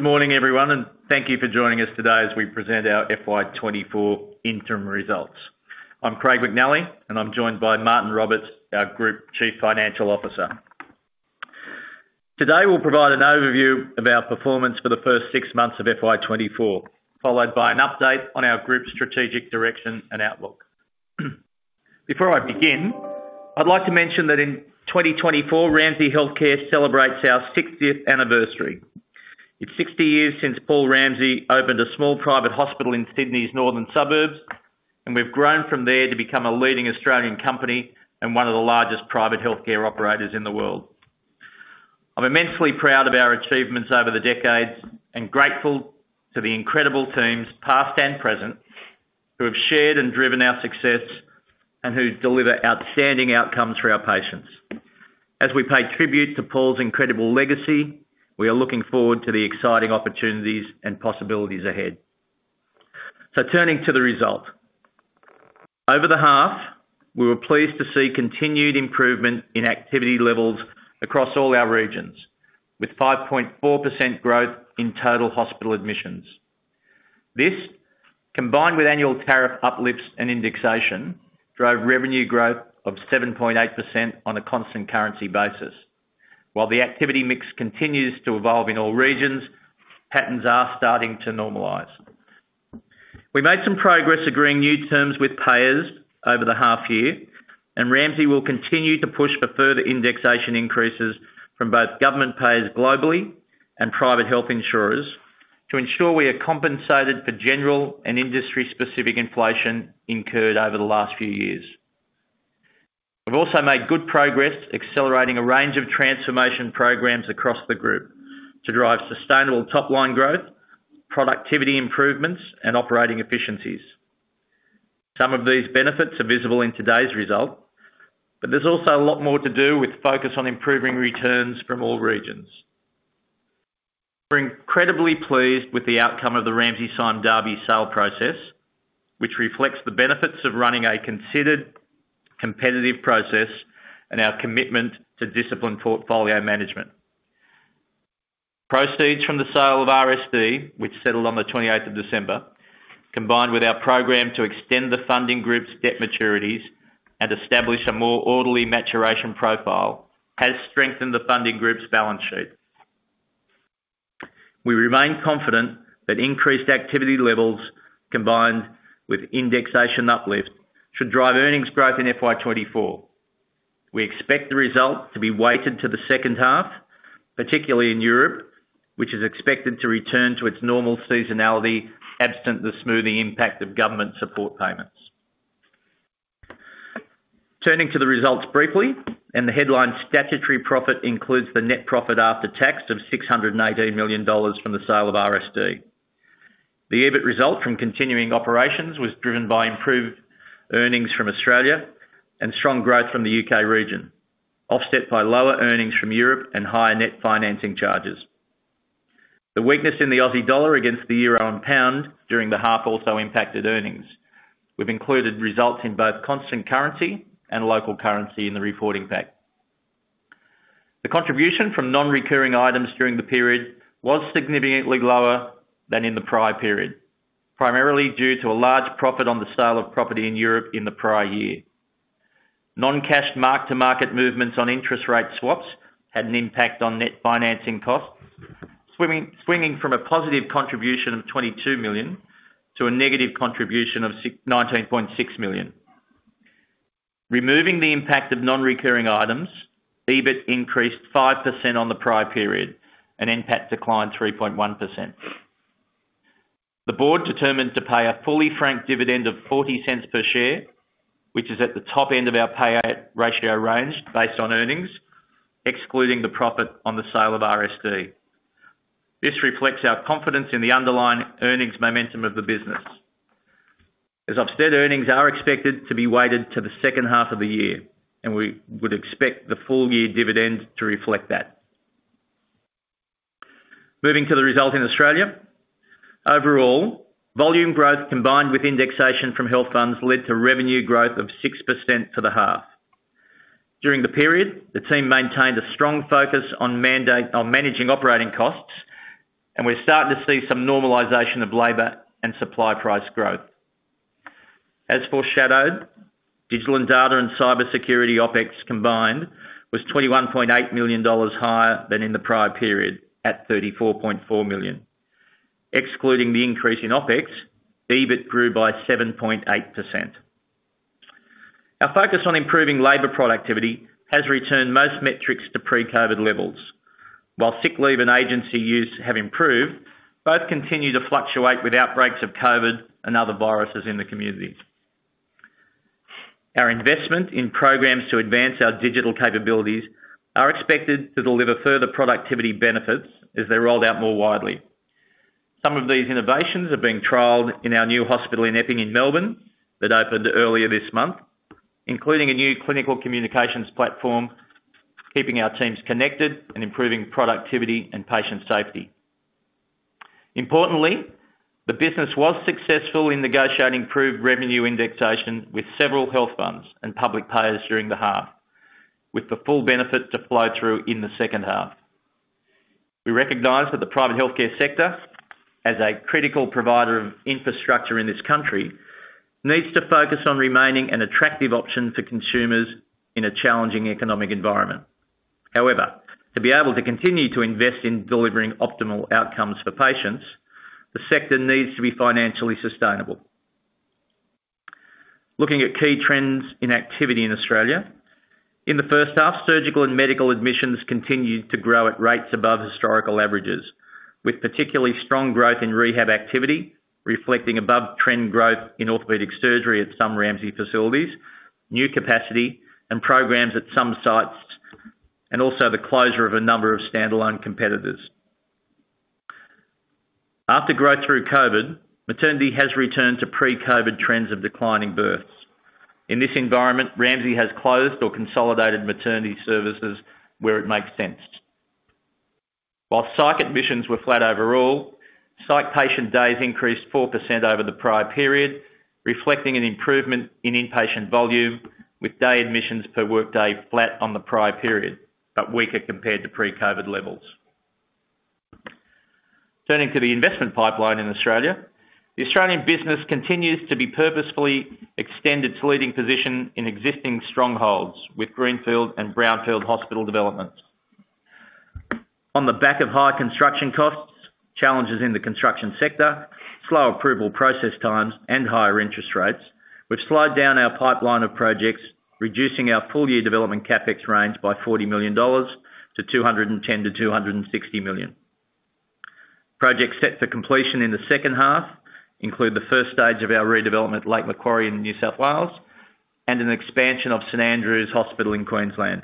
Good morning everyone and thank you for joining us today as we present our FY 2024 interim results. I'm Craig McNally and I'm joined by Martyn Roberts our Group Chief Financial Officer. Today we'll provide an overview of our performance for the first six months of FY 2024 followed by an update on our Group's strategic direction and outlook. Before I begin I'd like to mention that in 2024 Ramsay Health Care celebrates our 60th anniversary. It's 60 years since Paul Ramsay opened a small private hospital in Sydney's northern suburbs and we've grown from there to become a leading Australian company and one of the largest private health care operators in the world. I'm immensely proud of our achievements over the decades and grateful to the incredible teams past and present who have shared and driven our success and who deliver outstanding outcomes for our patients. As we pay tribute to Paul's incredible legacy we are looking forward to the exciting opportunities and possibilities ahead. So turning to the result. Over the half we were pleased to see continued improvement in activity levels across all our regions with 5.4% growth in total hospital admissions. This combined with annual tariff uplifts and indexation drove revenue growth of 7.8% on a constant currency basis. While the activity mix continues to evolve in all regions patterns are starting to normalize. We made some progress agreeing new terms with payers over the half year and Ramsay will continue to push for further indexation increases from both government payers globally and private health insurers to ensure we are compensated for general and industry specific inflation incurred over the last few years. We've also made good progress accelerating a range of transformation programs across the group to drive sustainable top line growth productivity improvements and operating efficiencies. Some of these benefits are visible in today's result but there's also a lot more to do with focus on improving returns from all regions. We're incredibly pleased with the outcome of the Ramsay Sime Darby sale process which reflects the benefits of running a considered competitive process and our commitment to disciplined portfolio management. Proceeds from the sale of RSD which settled on the 28th of December combined with our program to extend the funding group's debt maturities and establish a more orderly maturation profile has strengthened the funding group's balance sheet. We remain confident that increased activity levels combined with indexation uplift should drive earnings growth in FY 2024. We expect the result to be weighted to the second half particularly in Europe which is expected to return to its normal seasonality absent the smoothing impact of government support payments. Turning to the results briefly and the headline statutory profit includes the net profit after tax of 618 million dollars from the sale of RSD. The EBIT result from continuing operations was driven by improved earnings from Australia and strong growth from the U.K. region offset by lower earnings from Europe and higher net financing charges. The weakness in the Aussie dollar against the euro and pound during the half also impacted earnings. We've included results in both constant currency and local currency in the reporting pack. The contribution from non-recurring items during the period was significantly lower than in the prior period primarily due to a large profit on the sale of property in Europe in the prior year. Non-cash mark-to-market movements on interest rate swaps had an impact on net financing costs swinging from a positive contribution of 22 million to a negative contribution of 19.6 million. Removing the impact of non-recurring items, EBIT increased 5% on the prior period and NPAT declined 3.1%. The board determined to pay a fully franked dividend of 0.40 per share which is at the top end of our payout ratio range based on earnings excluding the profit on the sale of RSD. This reflects our confidence in the underlying earnings momentum of the business. As I've said earnings are expected to be weighted to the second half of the year and we would expect the full year dividend to reflect that. Moving to the result in Australia. Overall volume growth combined with indexation from health funds led to revenue growth of 6% for the half. During the period the team maintained a strong focus on managing operating costs and we're starting to see some normalization of labour and supply price growth. As foreshadowed digital and data and cybersecurity OPEX combined was 21.8 million dollars higher than in the prior period at 34.4 million. Excluding the increase in OPEX EBIT grew by 7.8%. Our focus on improving labour productivity has returned most metrics to pre-COVID levels. While sick leave and agency use have improved, both continue to fluctuate with outbreaks of COVID and other viruses in the community. Our investment in programs to advance our digital capabilities are expected to deliver further productivity benefits as they're rolled out more widely. Some of these innovations are being trialed in our new hospital in Epping in Melbourne that opened earlier this month, including a new clinical communications platform keeping our teams connected and improving productivity and patient safety. Importantly, the business was successful in negotiating proved revenue indexation with several health funds and public payers during the half with the full benefit to flow through in the second half. We recognize that the private health care sector as a critical provider of infrastructure in this country needs to focus on remaining an attractive option for consumers in a challenging economic environment. However, to be able to continue to invest in delivering optimal outcomes for patients, the sector needs to be financially sustainable. Looking at key trends in activity in Australia. In the first half, surgical and medical admissions continued to grow at rates above historical averages, with particularly strong growth in rehab activity reflecting above trend growth in orthopaedic surgery at some Ramsay facilities, new capacity and programs at some sites, and also the closure of a number of standalone competitors. After growth through COVID, maternity has returned to pre-COVID trends of declining births. In this environment, Ramsay has closed or consolidated maternity services where it makes sense. While psych admissions were flat overall, psych patient days increased 4% over the prior period, reflecting an improvement in inpatient volume, with day admissions per workday flat on the prior period but weaker compared to pre-COVID levels. Turning to the investment pipeline in Australia. The Australian business continues to be purposefully extended to leading position in existing strongholds with greenfield and brownfield hospital developments. On the back of high construction costs, challenges in the construction sector, slow approval process times, and higher interest rates, we've slowed down our pipeline of projects, reducing our full year development CapEx range by 40 million dollars to 210 million-260 million. Projects set for completion in the second half include the first stage of our redevelopment Lake Macquarie in New South Wales and an expansion of St Andrew's Hospital in Queensland.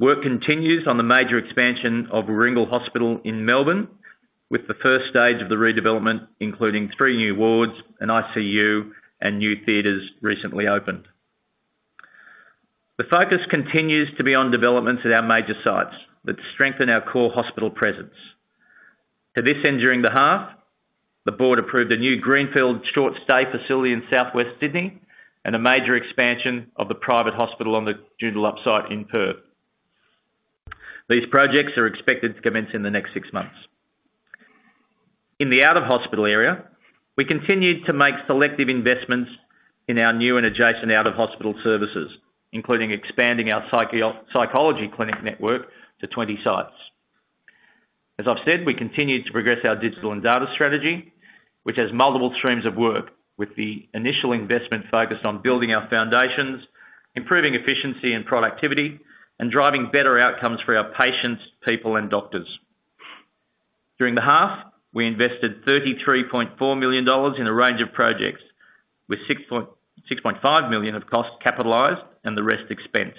Work continues on the major expansion of Warringal Hospital in Melbourne with the first stage of the redevelopment including 3 new wards, an ICU, and new theatres recently opened. The focus continues to be on developments at our major sites that strengthen our core hospital presence. To this end, during the half the board approved a new greenfield short stay facility in southwest Sydney and a major expansion of the private hospital on the Joondalup site in Perth. These projects are expected to commence in the next six months. In the out-of-hospital area we continued to make selective investments in our new and adjacent out-of-hospital services including expanding our psychology clinic network to 20 sites. As I've said, we continued to progress our digital and data strategy which has multiple streams of work with the initial investment focused on building our foundations improving efficiency and productivity and driving better outcomes for our patients people and doctors. During the half we invested 33.4 million dollars in a range of projects with 6.5 million of cost capitalised and the rest expensed.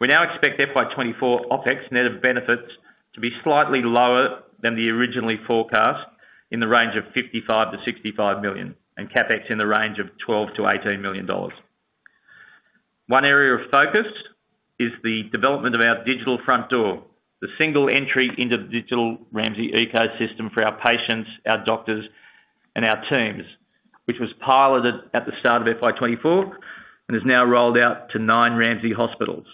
We now expect FY 2024 OPEX net of benefits to be slightly lower than the originally forecast in the range of 55 million-65 million and CapEx in the range of 12 million-18 million dollars. One area of focus is the development of our digital front door, the single entry into the digital Ramsay ecosystem for our patients, our doctors, and our teams, which was piloted at the start of FY 2024 and is now rolled out to 9 Ramsay hospitals.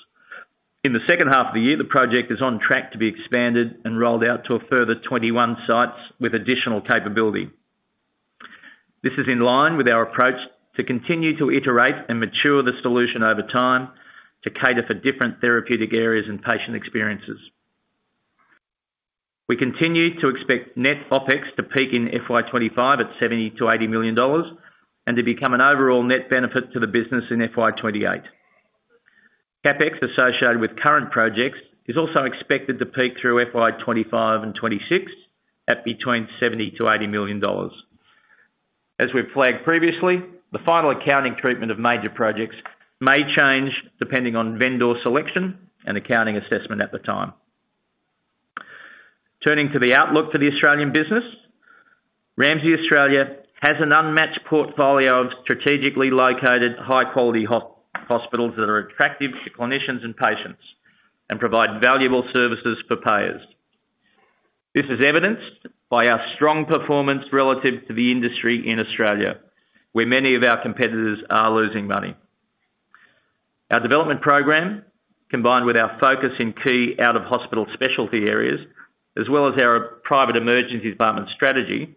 In the second half of the year, the project is on track to be expanded and rolled out to a further 21 sites with additional capability. This is in line with our approach to continue to iterate and mature the solution over time to cater for different therapeutic areas and patient experiences. We continue to expect net OpEx to peak in FY 25 at 70 million-80 million dollars and to become an overall net benefit to the business in FY 28. CapEx associated with current projects is also expected to peak through FY 25 and 26 at between 70 million-80 million dollars. As we've flagged previously the final accounting treatment of major projects may change depending on vendor selection and accounting assessment at the time. Turning to the outlook for the Australian business. Ramsay Australia has an unmatched portfolio of strategically located high-quality hospitals that are attractive to clinicians and patients and provide valuable services for payers. This is evidenced by our strong performance relative to the industry in Australia where many of our competitors are losing money. Our development program combined with our focus in key out-of-hospital specialty areas as well as our private emergency department strategy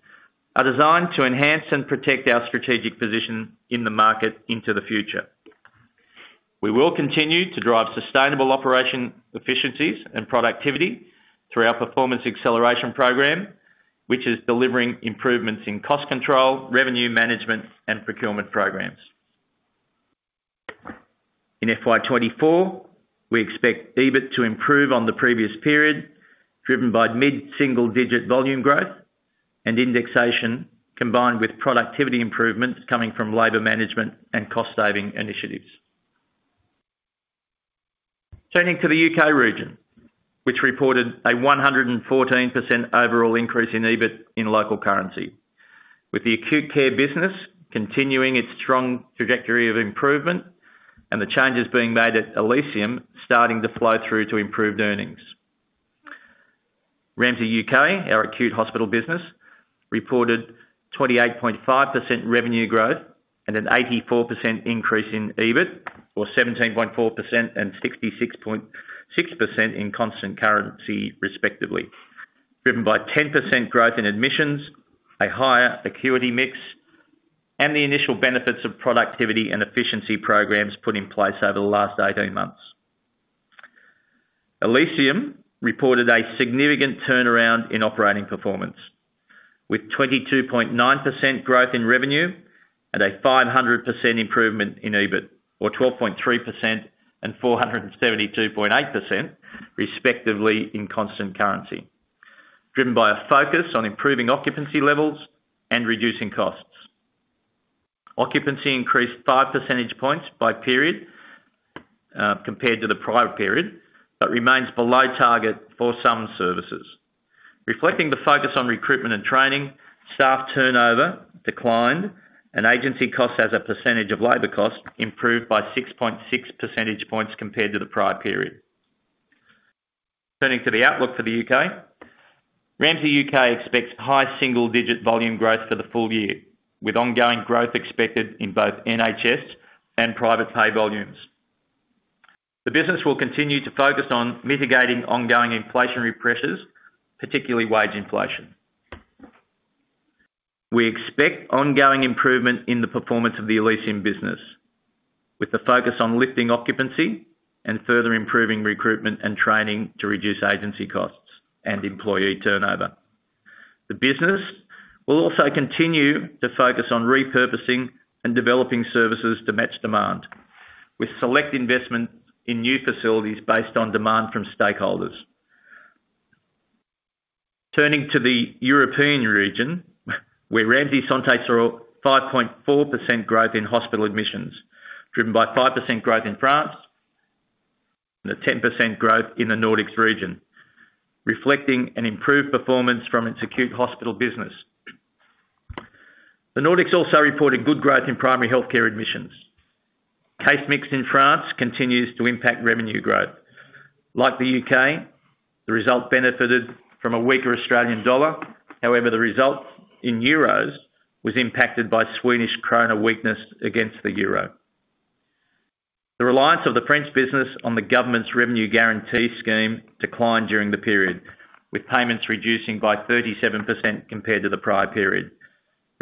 are designed to enhance and protect our strategic position in the market into the future. We will continue to drive sustainable operation efficiencies and productivity through our performance acceleration program which is delivering improvements in cost control revenue management and procurement programs. In FY 2024 we expect EBIT to improve on the previous period driven by mid-single-digit volume growth and indexation combined with productivity improvements coming from labour management and cost saving initiatives. Turning to the U.K. region which reported a 114% overall increase in EBIT in local currency with the acute care business continuing its strong trajectory of improvement and the changes being made at Elysium starting to flow through to improved earnings. Ramsay U.K. our acute hospital business reported 28.5% revenue growth and an 84% increase in EBIT or 17.4% and 66.6% in constant currency respectively driven by 10% growth in admissions a higher acuity mix and the initial benefits of productivity and efficiency programs put in place over the last 18 months. Elysium reported a significant turnaround in operating performance with 22.9% growth in revenue and a 500% improvement in EBIT or 12.3% and 472.8% respectively in constant currency driven by a focus on improving occupancy levels and reducing costs. Occupancy increased 5 percentage points by period compared to the prior period but remains below target for some services. Reflecting the focus on recruitment and training staff turnover declined and agency costs as a percentage of labour cost improved by 6.6 percentage points compared to the prior period. Turning to the outlook for the U.K. Ramsay U.K. expects high single-digit volume growth for the full year with ongoing growth expected in both NHS and private pay volumes. The business will continue to focus on mitigating ongoing inflationary pressures particularly wage inflation. We expect ongoing improvement in the performance of the Elysium business with the focus on lifting occupancy and further improving recruitment and training to reduce agency costs and employee turnover. The business will also continue to focus on repurposing and developing services to match demand with select investments in new facilities based on demand from stakeholders. Turning to the European region where Ramsay saw 5.4% growth in hospital admissions driven by 5% growth in France and a 10% growth in the Nordics region reflecting an improved performance from its acute hospital business. The Nordics also reported good growth in primary health care admissions. Case mix in France continues to impact revenue growth. Like the U.K. the result benefited from a weaker Australian dollar however the result in euros was impacted by Swedish krona weakness against the euro. The reliance of the French business on the government's revenue guarantee scheme declined during the period with payments reducing by 37% compared to the prior period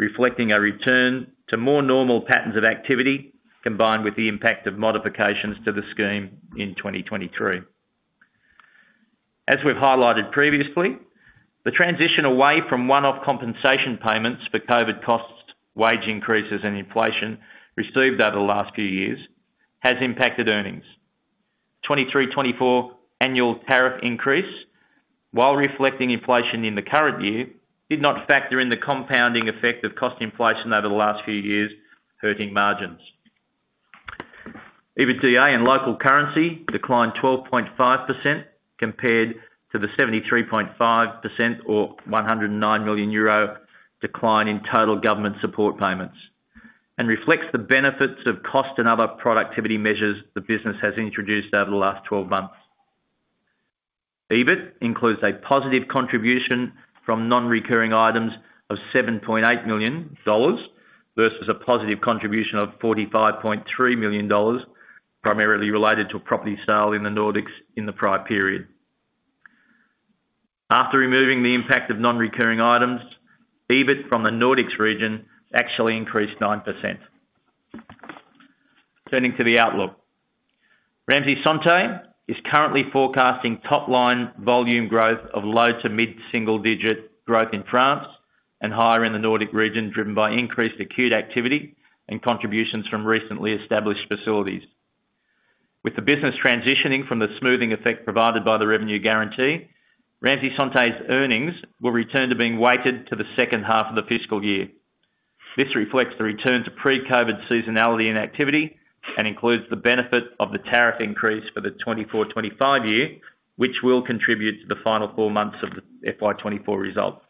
reflecting a return to more normal patterns of activity combined with the impact of modifications to the scheme in 2023. As we've highlighted previously, the transition away from one-off compensation payments for COVID costs, wage increases, and inflation received over the last few years has impacted earnings. The 2023-2024 annual tariff increase, while reflecting inflation in the current year, did not factor in the compounding effect of cost inflation over the last few years, hurting margins. EBITDA in local currency declined 12.5% compared to the 73.5% or 109 million euro decline in total government support payments and reflects the benefits of cost and other productivity measures the business has introduced over the last 12 months. EBIT includes a positive contribution from non-recurring items of 7.8 million dollars versus a positive contribution of 45.3 million dollars primarily related to property sale in the Nordics in the prior period. After removing the impact of non-recurring items EBIT from the Nordics region actually increased 9%. Turning to the outlook. Ramsay Santé is currently forecasting top line volume growth of low to mid single digit growth in France and higher in the Nordic region driven by increased acute activity and contributions from recently established facilities. With the business transitioning from the smoothing effect provided by the revenue guarantee, Ramsay Santé's earnings will return to being weighted to the second half of the fiscal year. This reflects the return to pre-COVID seasonality in activity and includes the benefit of the tariff increase for the 2024-2025 year which will contribute to the final four months of the FY 2024 result.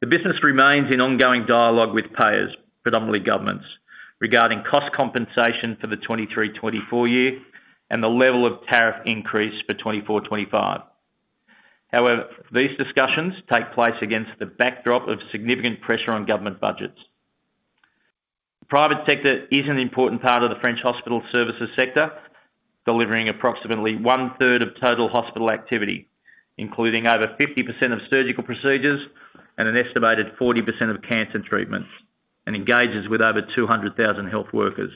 The business remains in ongoing dialogue with payers predominately governments regarding cost compensation for the 2023-2024 year and the level of tariff increase for 2024-2025. However these discussions take place against the backdrop of significant pressure on government budgets. The private sector is an important part of the French hospital services sector delivering approximately one third of total hospital activity including over 50% of surgical procedures and an estimated 40% of cancer treatments and engages with over 200,000 health workers.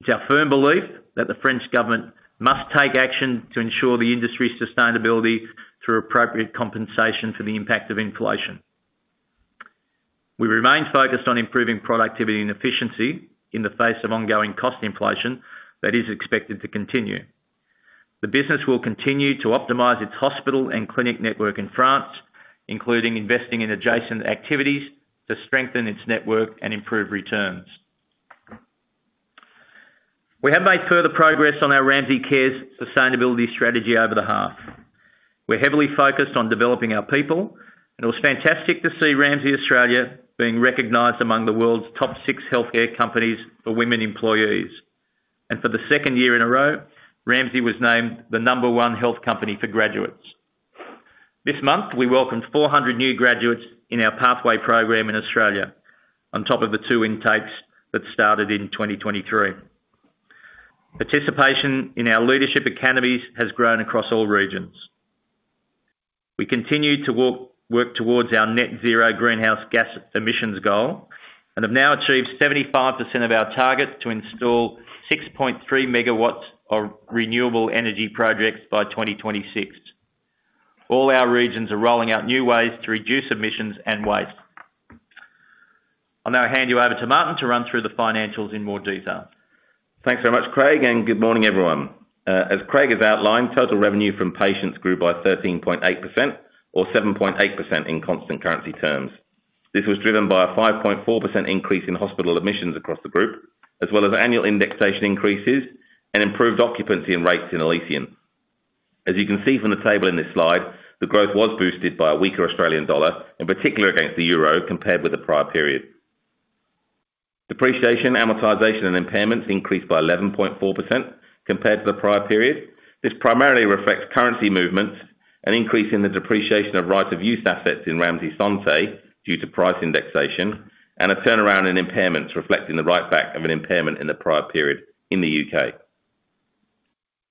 It's our firm belief that the French government must take action to ensure the industry's sustainability through appropriate compensation for the impact of inflation. We remain focused on improving productivity and efficiency in the face of ongoing cost inflation that is expected to continue. The business will continue to optimize its hospital and clinic network in France including investing in adjacent activities to strengthen its network and improve returns. We have made further progress on our Ramsay Cares sustainability strategy over the half. We're heavily focused on developing our people and it was fantastic to see Ramsay Australia being recognized among the world's top six health care companies for women employees and for the second year in a row Ramsay was named the number one health company for graduates. This month we welcomed 400 new graduates in our pathway program in Australia on top of the two intakes that started in 2023. Participation in our leadership academies has grown across all regions. We continue to work towards our net zero greenhouse gas emissions goal and have now achieved 75% of our target to install 6.3 MW of renewable energy projects by 2026. All our regions are rolling out new ways to reduce emissions and waste. I'll now hand you over to Martyn to run through the financials in more detail. Thanks very much Craig and good morning everyone. As Craig has outlined total revenue from patients grew by 13.8% or 7.8% in constant currency terms. This was driven by a 5.4% increase in hospital admissions across the group as well as annual indexation increases and improved occupancy and rates in Elysium. As you can see from the table in this slide the growth was boosted by a weaker Australian dollar in particular against the euro compared with the prior period. Depreciation, amortization, and impairments increased by 11.4% compared to the prior period. This primarily reflects currency movements, an increase in the depreciation of right-of-use assets in Ramsay Santé due to price indexation, and a turnaround in impairments reflecting the write-back of an impairment in the prior period in the U.K.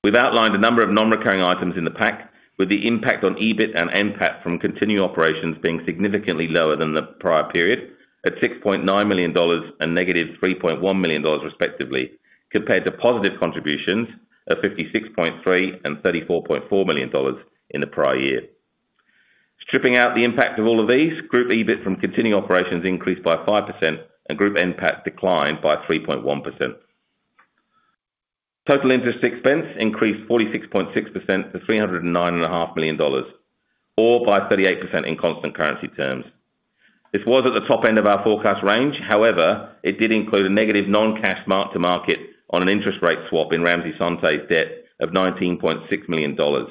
We've outlined a number of non-recurring items in the pack with the impact on EBIT and NPAT from continuing operations being significantly lower than the prior period at 6.9 million dollars and -3.1 million dollars respectively compared to positive contributions of 56.3 million and 34.4 million dollars in the prior year. Stripping out the impact of all of these group EBIT from continuing operations increased by 5% and group NPAT declined by 3.1%. Total interest expense increased 46.6% to 309.5 million dollars or by 38% in constant currency terms. This was at the top end of our forecast range, however it did include a negative non-cash mark to market on an interest rate swap in Ramsay Santé's debt of 19.6 million dollars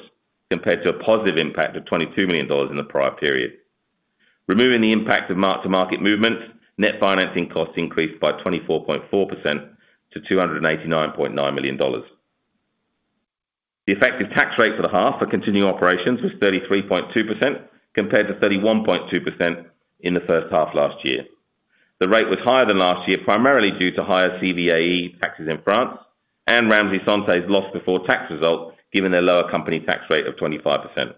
compared to a positive impact of 22 million dollars in the prior period. Removing the impact of mark to market movements, net financing cost increased by 24.4% to 289.9 million dollars. The effective tax rate for the half for continuing operations was 33.2% compared to 31.2% in the first half last year. The rate was higher than last year primarily due to higher CVAE taxes in France and Ramsay Santé's loss before tax result given their lower company tax rate of 25%.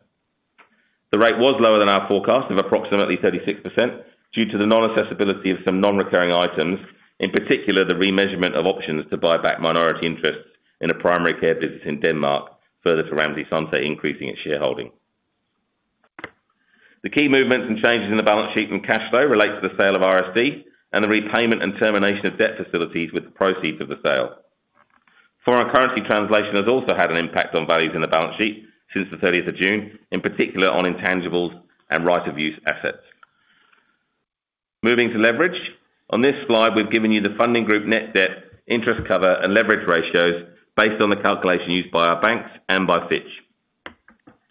The rate was lower than our forecast of approximately 36% due to the non-accessibility of some non-recurring items, in particular the remeasurement of options to buy back minority interests in a primary care business in Denmark further to Ramsay Santé increasing its shareholding. The key movements and changes in the balance sheet and cash flow relate to the sale of RSD and the repayment and termination of debt facilities with the proceeds of the sale. Foreign currency translation has also had an impact on values in the balance sheet since the 30th of June, in particular on intangibles and right of use assets. Moving to leverage. On this slide we've given you the funding group net debt interest cover and leverage ratios based on the calculation used by our banks and by Fitch.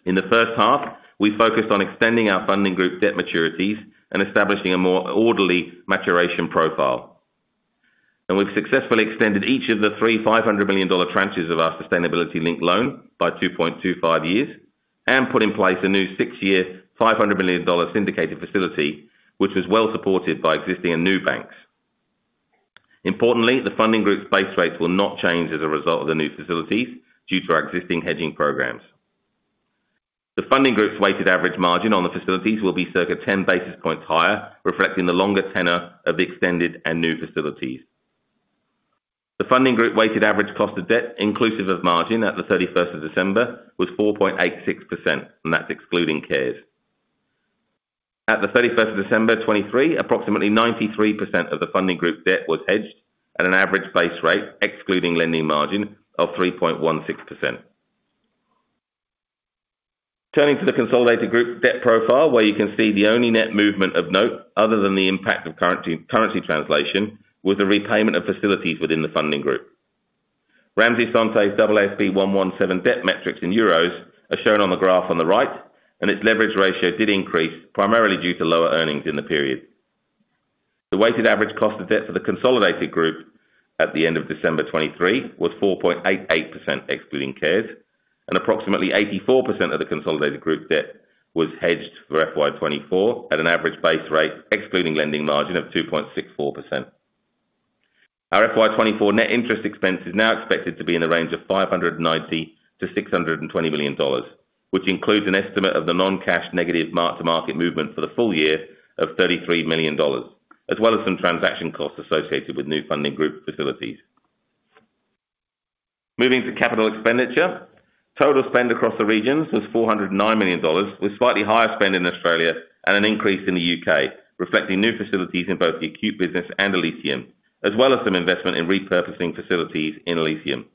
In the first half we focused on extending our funding group debt maturities and establishing a more orderly maturation profile. We've successfully extended each of the three 500 million dollar tranches of our sustainability linked loan by 2.25 years and put in place a new six-year 500 million dollar syndicated facility which was well supported by existing and new banks. Importantly, the funding group's base rates will not change as a result of the new facilities due to our existing hedging programs. The funding group's weighted average margin on the facilities will be circa 10 basis points higher reflecting the longer tenor of the extended and new facilities. The funding group's weighted average cost of debt inclusive of margin at the 31st of December was 4.86% and that's excluding CARES. At the 31st of December 2023 approximately 93% of the funding group debt was hedged at an average base rate excluding lending margin of 3.16%. Turning to the consolidated group debt profile where you can see the only net movement of note other than the impact of currency translation was the repayment of facilities within the funding group. Ramsay Santé's AASB 117 debt metrics in euros are shown on the graph on the right and its leverage ratio did increase primarily due to lower earnings in the period. The weighted average cost of debt for the consolidated group at the end of December 2023 was 4.88% excluding CARES and approximately 84% of the consolidated group debt was hedged for FY 2024 at an average base rate excluding lending margin of 2.64%. Our FY 2024 net interest expense is now expected to be in the range of 590 million-620 million dollars which includes an estimate of the non-cash negative mark to market movement for the full year of 33 million dollars as well as some transaction costs associated with new funding group facilities. Moving to capital expenditure. Total spend across the regions was 409 million dollars with slightly higher spend in Australia and an increase in the U.K. reflecting new facilities in both the acute business and Elysium as well as some investment in repurposing facilities in Elysium.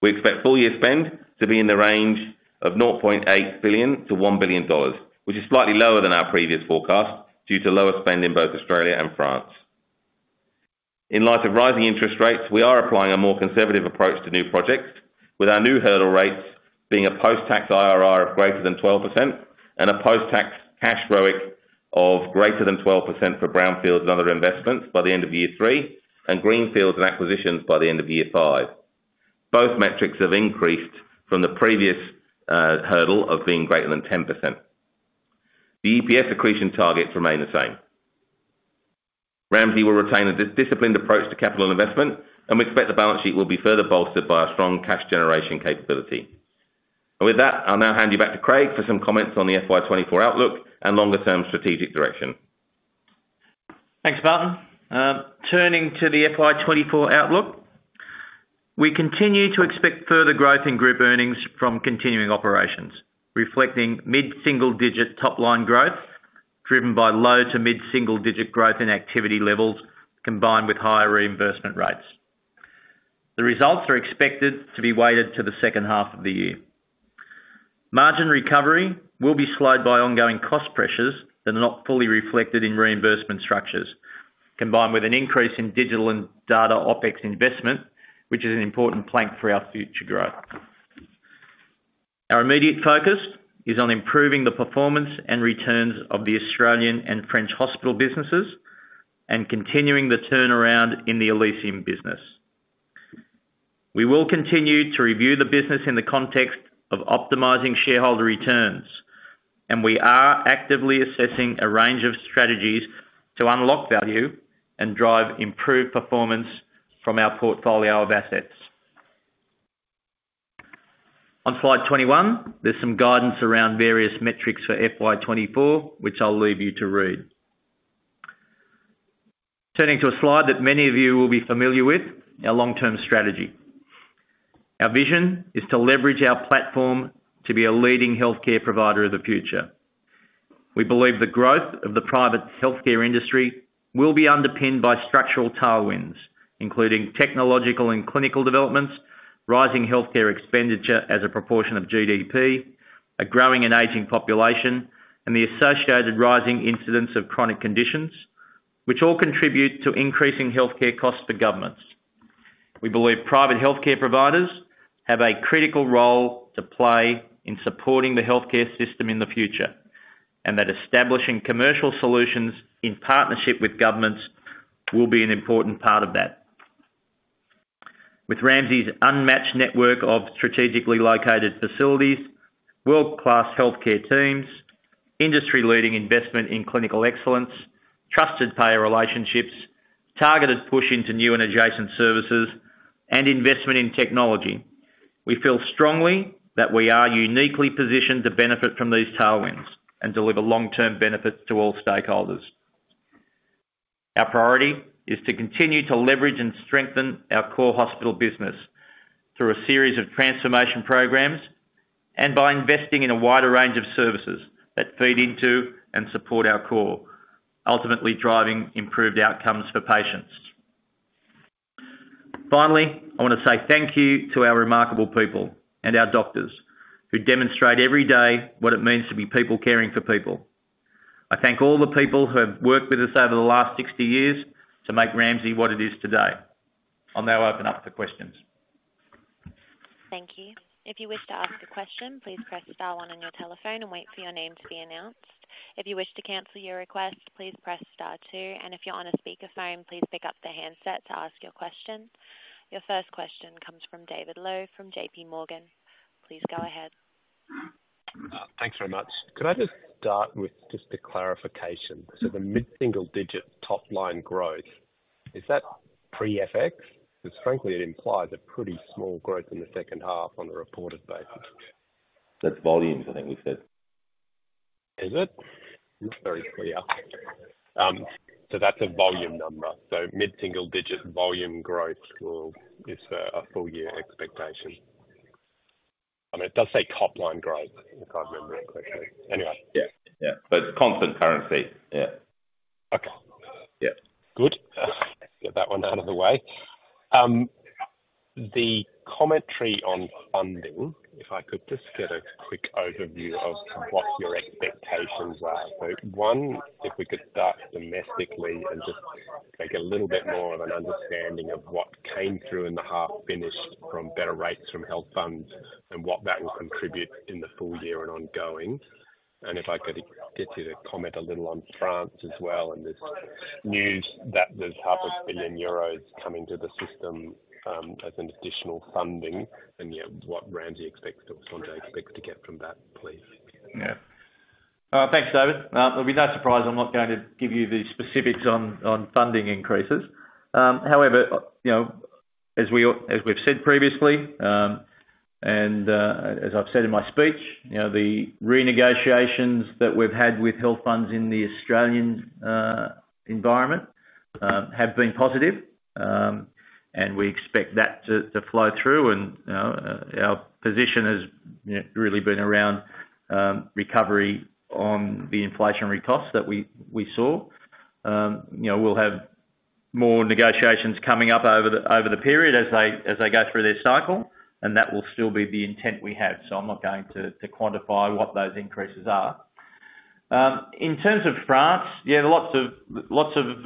We expect full year spend to be in the range of north of 0.8 billion to 1 billion dollars which is slightly lower than our previous forecast due to lower spend in both Australia and France. In light of rising interest rates we are applying a more conservative approach to new projects with our new hurdle rates being a post-tax IRR of greater than 12% and a post-tax cash ROIC of greater than 12% for brownfields and other investments by the end of year 3 and greenfields and acquisitions by the end of year 5. Both metrics have increased from the previous hurdle of being greater than 10%. The EPS accretion targets remain the same. Ramsay will retain a disciplined approach to capital investment and we expect the balance sheet will be further bolstered by a strong cash generation capability. With that I'll now hand you back to Craig for some comments on the FY 2024 outlook and longer term strategic direction. Thanks Martyn. Turning to the FY 2024 outlook. We continue to expect further growth in group earnings from continuing operations reflecting mid-single-digit top line growth driven by low- to mid-single-digit growth in activity levels combined with higher reimbursement rates. The results are expected to be weighted to the second half of the year. Margin recovery will be slowed by ongoing cost pressures that are not fully reflected in reimbursement structures combined with an increase in digital and data OpEx investment which is an important plank for our future growth. Our immediate focus is on improving the performance and returns of the Australian and French hospital businesses and continuing the turnaround in the Elysium business. We will continue to review the business in the context of optimizing shareholder returns and we are actively assessing a range of strategies to unlock value and drive improved performance from our portfolio of assets. On slide 21 there's some guidance around various metrics for FY 2024 which I'll leave you to read. Turning to a slide that many of you will be familiar with, our long-term strategy. Our vision is to leverage our platform to be a leading health care provider of the future. We believe the growth of the private health care industry will be underpinned by structural tailwinds including technological and clinical developments rising health care expenditure as a proportion of GDP a growing and aging population and the associated rising incidence of chronic conditions which all contribute to increasing health care costs for governments. We believe private health care providers have a critical role to play in supporting the health care system in the future and that establishing commercial solutions in partnership with governments will be an important part of that. With Ramsay's unmatched network of strategically located facilities, world-class health care teams, industry-leading investment in clinical excellence, trusted payer relationships, targeted push into new and adjacent services, and investment in technology, we feel strongly that we are uniquely positioned to benefit from these tailwinds and deliver long-term benefits to all stakeholders. Our priority is to continue to leverage and strengthen our core hospital business through a series of transformation programs and by investing in a wider range of services that feed into and support our core, ultimately driving improved outcomes for patients. Finally, I want to say thank you to our remarkable people and our doctors who demonstrate every day what it means to be people caring for people. I thank all the people who have worked with us over the last 60 years to make Ramsay what it is today. I'll now open up for questions. Thank you. If you wish to ask a question, please press star one on your telephone and wait for your name to be announced. If you wish to cancel your request, please press star two and if you're on a speakerphone, please pick up the handset to ask your question. Your first question comes from David Lowe from J.P. Morgan. Please go ahead. Thanks very much. Could I just start with just a clarification. So the mid single-digit top-line growth is that pre FX because frankly it implies a pretty small growth in the second half on a reported basis? That's volumes I think we said. Is it? Not very clear. That's a volume number. Mid single digit volume growth is a full year expectation. I mean it does say top line growth if I remember it correctly. Anyway. Yeah. Yeah. But constant currency. Yeah. Okay. Yeah. Good. Get that one out of the way. The commentary on funding, if I could just get a quick overview of what your expectations are. So, one, if we could start domestically and just make a little bit more of an understanding of what came through in the half finished from better rates from health funds and what that will contribute in the full year and ongoing. And if I could get you to comment a little on France as well and this news that there's 500 million euros coming to the system as additional funding and what Ramsay Santé expects to get from that, please. Yeah. Thanks David. It'll be no surprise I'm not going to give you the specifics on funding increases. However, as we've said previously, and as I've said in my speech, the renegotiations that we've had with health funds in the Australian environment have been positive, and we expect that to flow through, and our position has really been around recovery on the inflationary costs that we saw. We'll have more negotiations coming up over the period as they go through their cycle, and that will still be the intent we have. So I'm not going to quantify what those increases are. In terms of France, yeah, there are lots of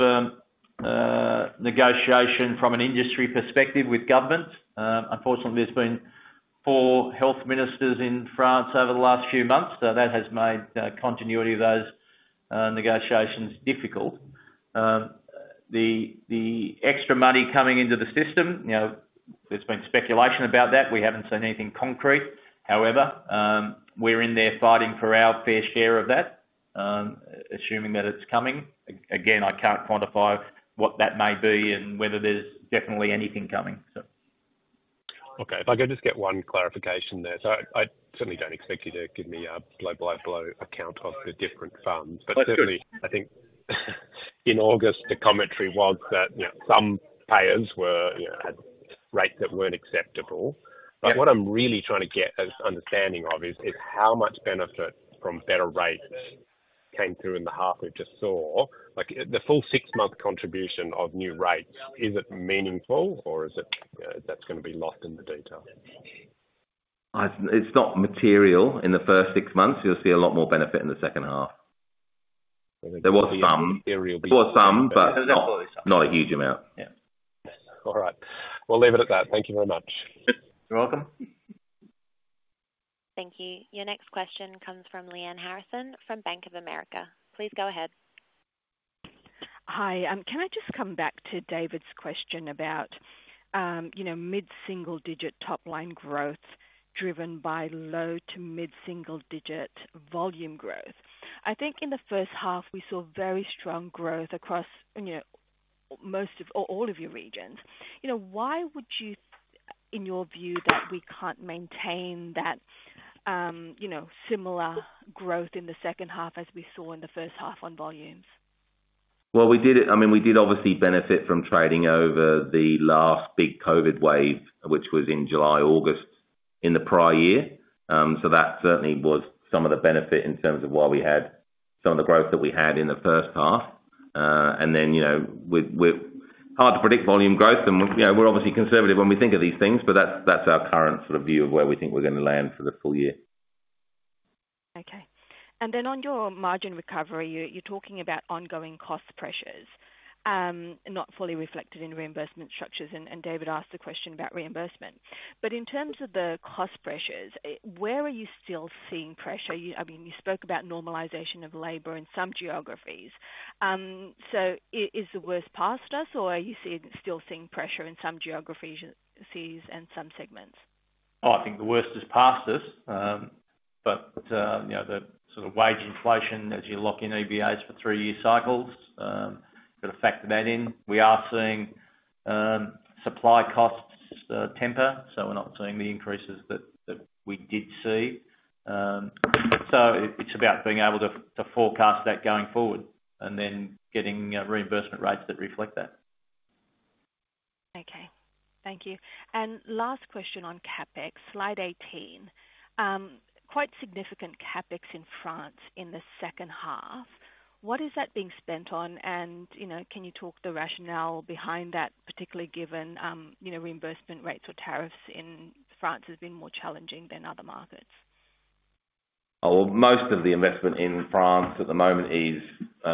negotiation from an industry perspective with governments. Unfortunately, there's been four health ministers in France over the last few months, so that has made continuity of those negotiations difficult. The extra money coming into the system, there's been speculation about that. We haven't seen anything concrete. However, we're in there fighting for our fair share of that, assuming that it's coming. Again, I can't quantify what that may be and whether there's definitely anything coming, so. Okay. If I could just get one clarification there. So I certainly don't expect you to give me a blow-by-blow account of the different funds but certainly I think in August the commentary was that some payers had rates that weren't acceptable. But what I'm really trying to get an understanding of is how much benefit from better rates came through in the half we just saw. The full six-month contribution of new rates, is it meaningful or is that going to be lost in the detail? It's not material in the first six months. You'll see a lot more benefit in the second half. There was some. There was some but not a huge amount. All right. We'll leave it at that. Thank you very much. You're welcome. Thank you. Your next question comes from Lyanne Harrison from Bank of America. Please go ahead. Hi. Can I just come back to David's question about mid single digit top line growth driven by low to mid single digit volume growth? I think in the first half we saw very strong growth across most of or all of your regions. Why would you in your view that we can't maintain that similar growth in the second half as we saw in the first half on volumes? Well, we did it. I mean, we did obviously benefit from trading over the last big COVID wave, which was in July-August in the prior year. So that certainly was some of the benefit in terms of why we had some of the growth that we had in the first half. And then, we're hard to predict volume growth, and we're obviously conservative when we think of these things, but that's our current sort of view of where we think we're going to land for the full year. Okay. Then on your margin recovery you're talking about ongoing cost pressures not fully reflected in reimbursement structures and David asked a question about reimbursement. In terms of the cost pressures where are you still seeing pressure? I mean you spoke about normalization of labour in some geographies. Is the worst past us or are you still seeing pressure in some geographies and some segments? Oh, I think the worst is past us, but the sort of wage inflation as you lock in EBAs for three-year cycles you've got to factor that in. We are seeing supply costs temper, so we're not seeing the increases that we did see. So it's about being able to forecast that going forward and then getting reimbursement rates that reflect that. Okay. Thank you. Last question on CapEx slide 18. Quite significant CapEx in France in the second half. What is that being spent on and can you talk the rationale behind that particularly given reimbursement rates or tariffs in France has been more challenging than other markets? Oh well, most of the investment in France at the moment is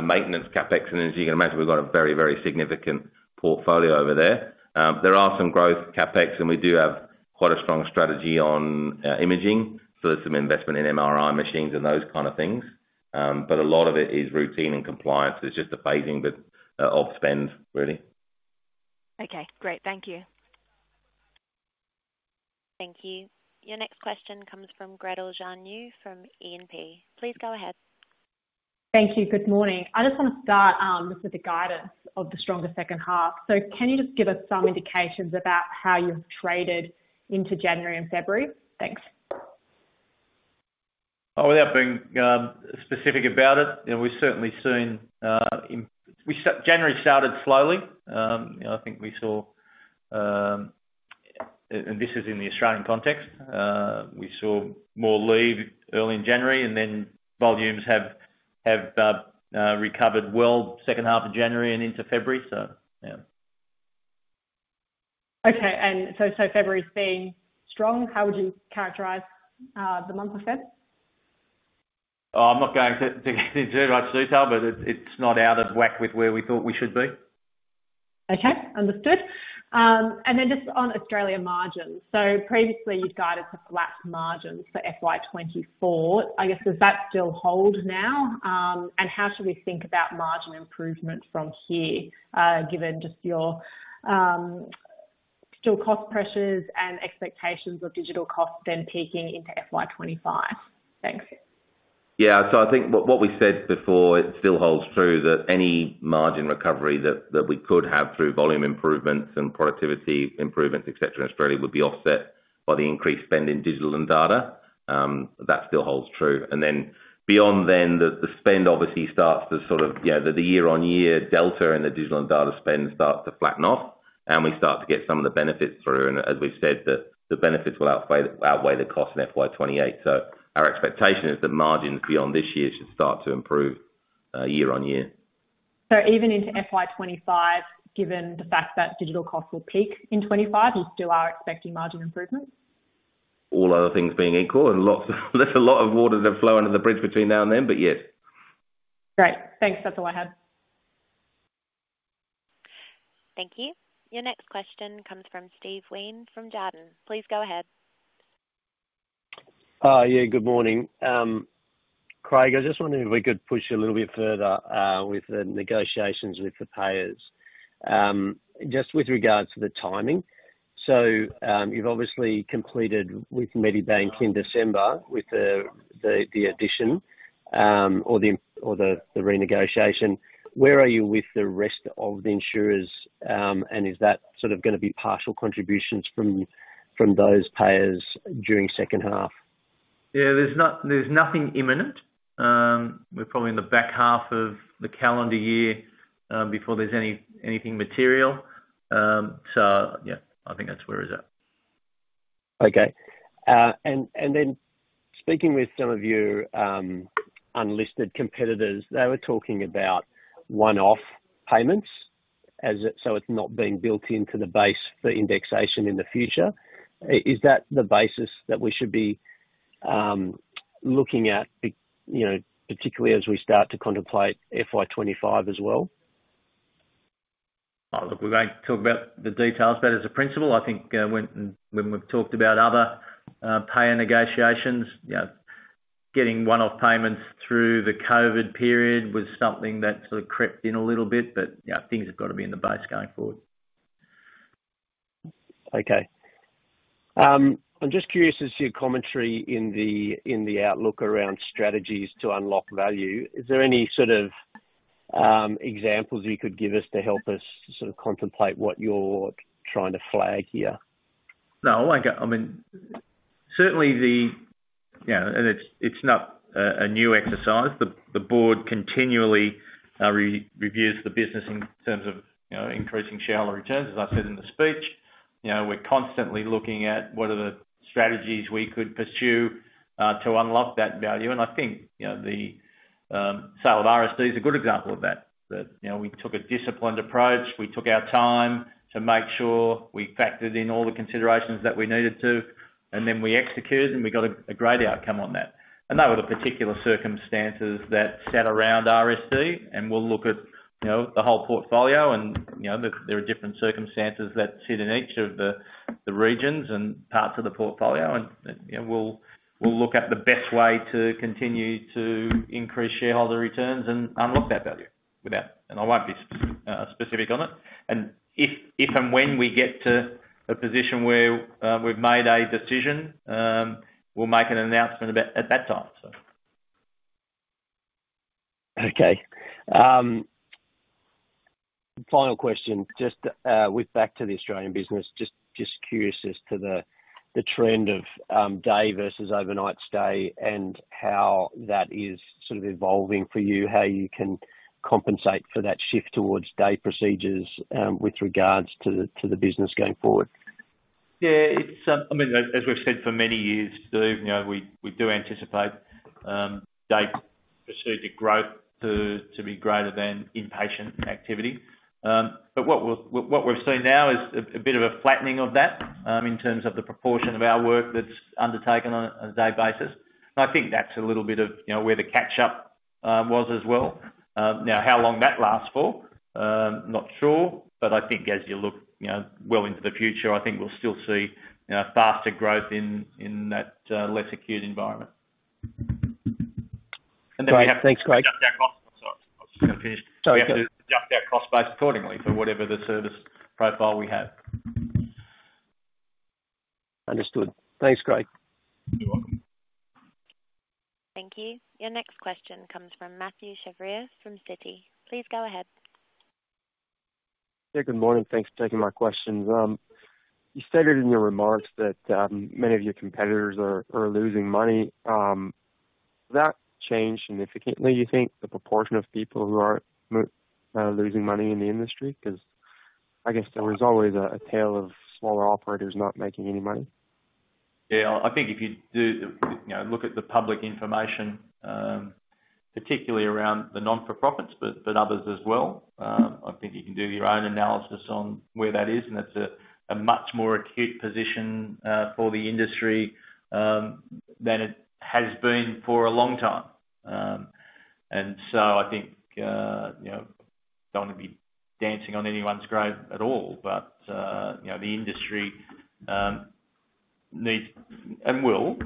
maintenance CapEx and as you can imagine we've got a very very significant portfolio over there. There are some growth CapEx and we do have quite a strong strategy on imaging so there's some investment in MRI machines and those kind of things. But a lot of it is routine and compliance. It's just the phasing of spend really. Okay. Great. Thank you. Thank you. Your next question comes from Gretel Janu from E&P. Please go ahead. Thank you. Good morning. I just want to start just with the guidance of the stronger second half. So can you just give us some indications about how you've traded into January and February? Thanks. Oh, without being specific about it, we certainly saw in January started slowly. I think we saw, and this is in the Australian context. We saw more leave early in January, and then volumes have recovered well second half of January and into February, so yeah. Okay. And so February's been strong. How would you characterize the month of February? Oh, I'm not going to get into too much detail, but it's not out of whack with where we thought we should be. Okay. Understood. And then just on Australia margins. So previously you'd guided to flat margins for FY 2024. I guess does that still hold now and how should we think about margin improvement from here given just your still cost pressures and expectations of digital costs then peaking into FY 2025? Thanks. Yeah. So I think what we said before it still holds true that any margin recovery that we could have through volume improvements and productivity improvements et cetera in Australia would be offset by the increased spend in digital and data. That still holds true. And then beyond then the spend obviously starts to sort of the year on year delta in the digital and data spend starts to flatten off and we start to get some of the benefits through and as we've said the benefits will outweigh the cost in FY 2028. So our expectation is that margins beyond this year should start to improve year on year. Even into FY 2025 given the fact that digital costs will peak in 2025 you still are expecting margin improvement? All other things being equal, and there's a lot of water to flow under the bridge between now and then, but yes. Great. Thanks. That's all I had. Thank you. Your next question comes from Steve Wheen from Jarden. Please go ahead. Yeah. Good morning. Craig, I just wondered if we could push a little bit further with the negotiations with the payers. Just with regards to the timing. So you've obviously completed with Medibank in December with the addition or the renegotiation. Where are you with the rest of the insurers and is that sort of going to be partial contributions from those payers during second half? Yeah. There's nothing imminent. We're probably in the back half of the calendar year before there's anything material. So yeah I think that's where we're at. Okay. And then speaking with some of your unlisted competitors they were talking about one-off payments so it's not being built into the base for indexation in the future. Is that the basis that we should be looking at particularly as we start to contemplate FY 2025 as well? Oh look, we won't talk about the details, but as a principle, I think when we've talked about other payer negotiations, getting one-off payments through the COVID period was something that sort of crept in a little bit, but things have got to be in the base going forward. Okay. I'm just curious as your commentary in the outlook around strategies to unlock value is there any sort of examples you could give us to help us sort of contemplate what you're trying to flag here? No. I mean, certainly the and it's not a new exercise. The board continually reviews the business in terms of increasing shareholder returns, as I said in the speech. We're constantly looking at what are the strategies we could pursue to unlock that value, and I think the sale of RSD is a good example of that. We took a disciplined approach. We took our time to make sure we factored in all the considerations that we needed to, and then we executed, and we got a great outcome on that. And there were the particular circumstances that sat around RSD, and we'll look at the whole portfolio, and there are different circumstances that sit in each of the regions and parts of the portfolio, and we'll look at the best way to continue to increase shareholder returns and unlock that value without, and I won't be specific on it. If and when we get to a position where we've made a decision we'll make an announcement about at that time so. Okay. Final question just with back to the Australian business. Just curious as to the trend of day versus overnight stay and how that is sort of evolving for you. How you can compensate for that shift towards day procedures with regards to the business going forward? Yeah. I mean, as we've said for many years, Steve, we do anticipate day procedure growth to be greater than inpatient activity. But what we've seen now is a bit of a flattening of that in terms of the proportion of our work that's undertaken on a day basis. And I think that's a little bit of where the catch up was as well. Now, how long that lasts for, not sure, but I think as you look well into the future, I think we'll still see faster growth in that less acute environment. And then we have to adjust our costs. I'm sorry. I was just going to finish. We have to adjust our cost base accordingly for whatever the service profile we have. Understood. Thanks Craig. You're welcome. Thank you. Your next question comes from Mathieu Chevrier from Citi. Please go ahead. Yeah. Good morning. Thanks for taking my questions. You stated in your remarks that many of your competitors are losing money. Has that changed significantly, you think, the proportion of people who are losing money in the industry? Because I guess there was always a tail of smaller operators not making any money. Yeah. I think if you look at the public information, particularly around the non-for-profits but others as well, I think you can do your own analysis on where that is, and it's a much more acute position for the industry than it has been for a long time. And so I think I don't want to be dancing on anyone's grave at all, but the industry needs and will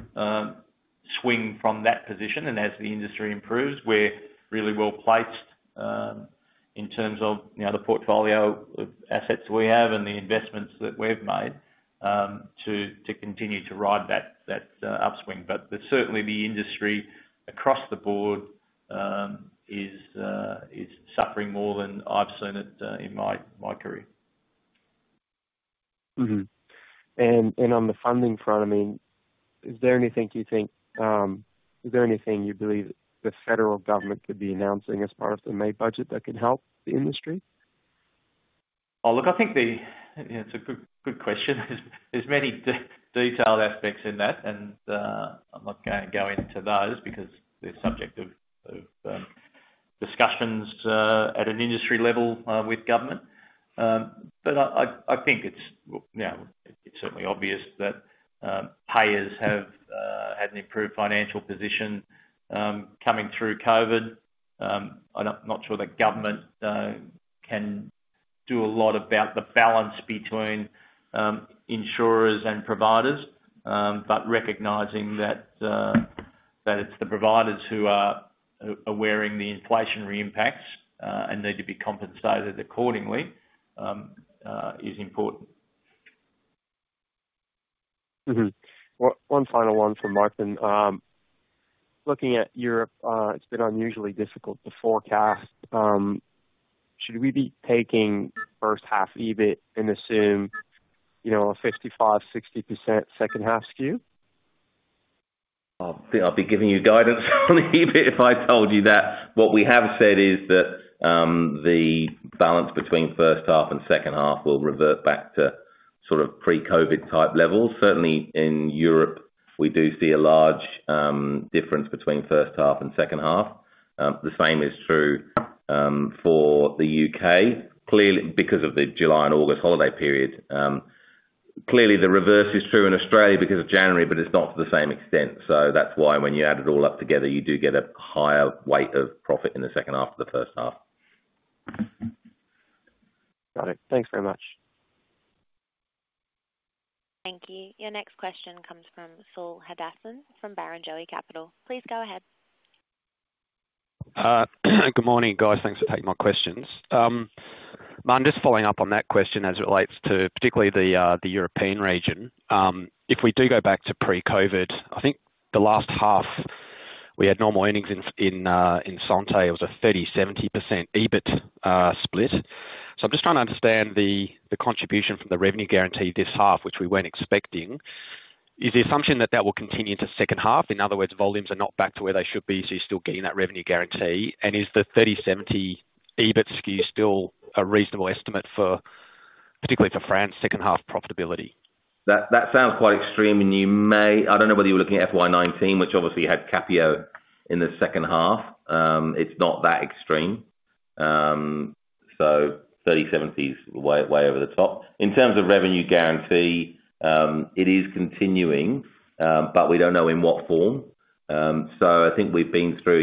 swing from that position, and as the industry improves, we're really well placed in terms of the portfolio of assets we have and the investments that we've made to continue to ride that upswing. But certainly the industry across the board is suffering more than I've seen it in my career. On the funding front, I mean, is there anything you think is there anything you believe the federal government could be announcing as part of the May budget that could help the industry? Oh, look, I think that's a good question. There's many detailed aspects in that and I'm not going to go into those because they're subject of discussions at an industry level with government. But I think it's certainly obvious that payers have had an improved financial position coming through COVID. I'm not sure that government can do a lot about the balance between insurers and providers but recognizing that it's the providers who are aware of the inflationary impacts and need to be compensated accordingly is important. One final one from Martyn. Looking at Europe it's been unusually difficult to forecast. Should we be taking first half EBIT and assume a 55%-60% second half skew? I'll be giving you guidance on EBIT if I told you that. What we have said is that the balance between first half and second half will revert back to sort of pre-COVID type levels. Certainly in Europe we do see a large difference between first half and second half. The same is true for the U.K. because of the July and August holiday period. Clearly the reverse is true in Australia because of January but it's not to the same extent. So that's why when you add it all up together you do get a higher weight of profit in the second half than the first half. Got it. Thanks very much. Thank you. Your next question comes from Saul Hadassin from Barrenjoey Capital. Please go ahead. Good morning, guys. Thanks for taking my questions. Martyn, just following up on that question as it relates to particularly the European region. If we do go back to pre-COVID, I think the last half we had normal earnings in Sante. It was a 30%-70% EBIT split. So I'm just trying to understand the contribution from the revenue guarantee this half, which we weren't expecting. Is the assumption that that will continue into second half? In other words, volumes are not back to where they should be, so you're still getting that revenue guarantee. And is the 30%-70% EBIT skew still a reasonable estimate for particularly for France second half profitability? That sounds quite extreme and you may I don't know whether you were looking at FY 2019 which obviously had Capio in the second half. It's not that extreme. So 30/70 is way over the top. In terms of revenue guarantee it is continuing but we don't know in what form. So I think we've been through